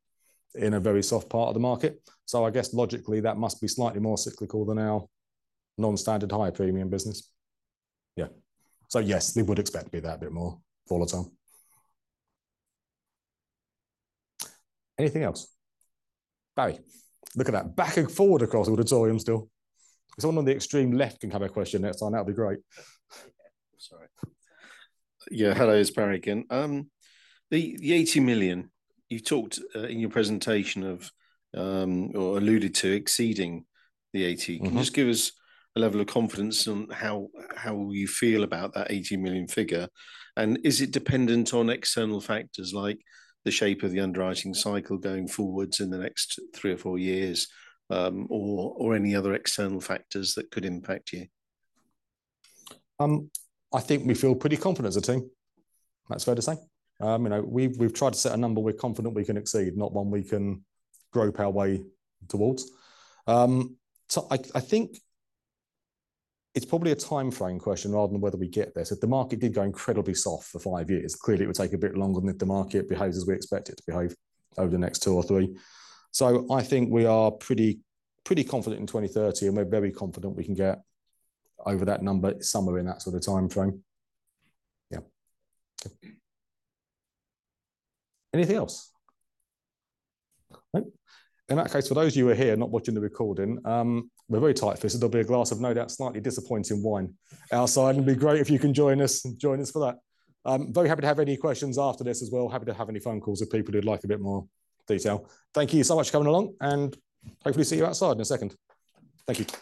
in a very soft part of the market. I guess logically, that must be slightly more cyclical than our non-standard higher premium business. Yeah. Yes, we would expect to be that bit more volatile. Anything else? Barrie. Look at that, backing forward across the auditorium still. If someone on the extreme left can have a question next time, that'd be great. Sorry. Yeah. Hello. It's Barrie again. The 80 million, you talked in your presentation of, or alluded to exceeding the 80 million? Mm-hmm. Can you just give us a level of confidence on how you feel about that 80 million figure, and is it dependent on external factors like the shape of the underwriting cycle going forwards in the next three or four years, or any other external factors that could impact you? I think we feel pretty confident as a team. That's fair to say. You know, we've tried to set a number we're confident we can exceed, not one we can grope our way towards. I think it's probably a timeframe question rather than whether we get there. If the market did go incredibly soft for five years, clearly it would take a bit longer than if the market behaves as we expect it to behave over the next two or three. I think we are pretty confident in 2030, and we're very confident we can get over that number somewhere in that sort of timeframe. Yeah. Anything else? No? In that case, for those of you who are here not watching the recording, we're very tight for this. There'll be a glass of no doubt slightly disappointing wine outside. It'd be great if you can join us for that. Very happy to have any questions after this as well. Happy to have any phone calls with people who'd like a bit more detail. Thank you so much for coming along, and hopefully see you outside in a second. Thank you.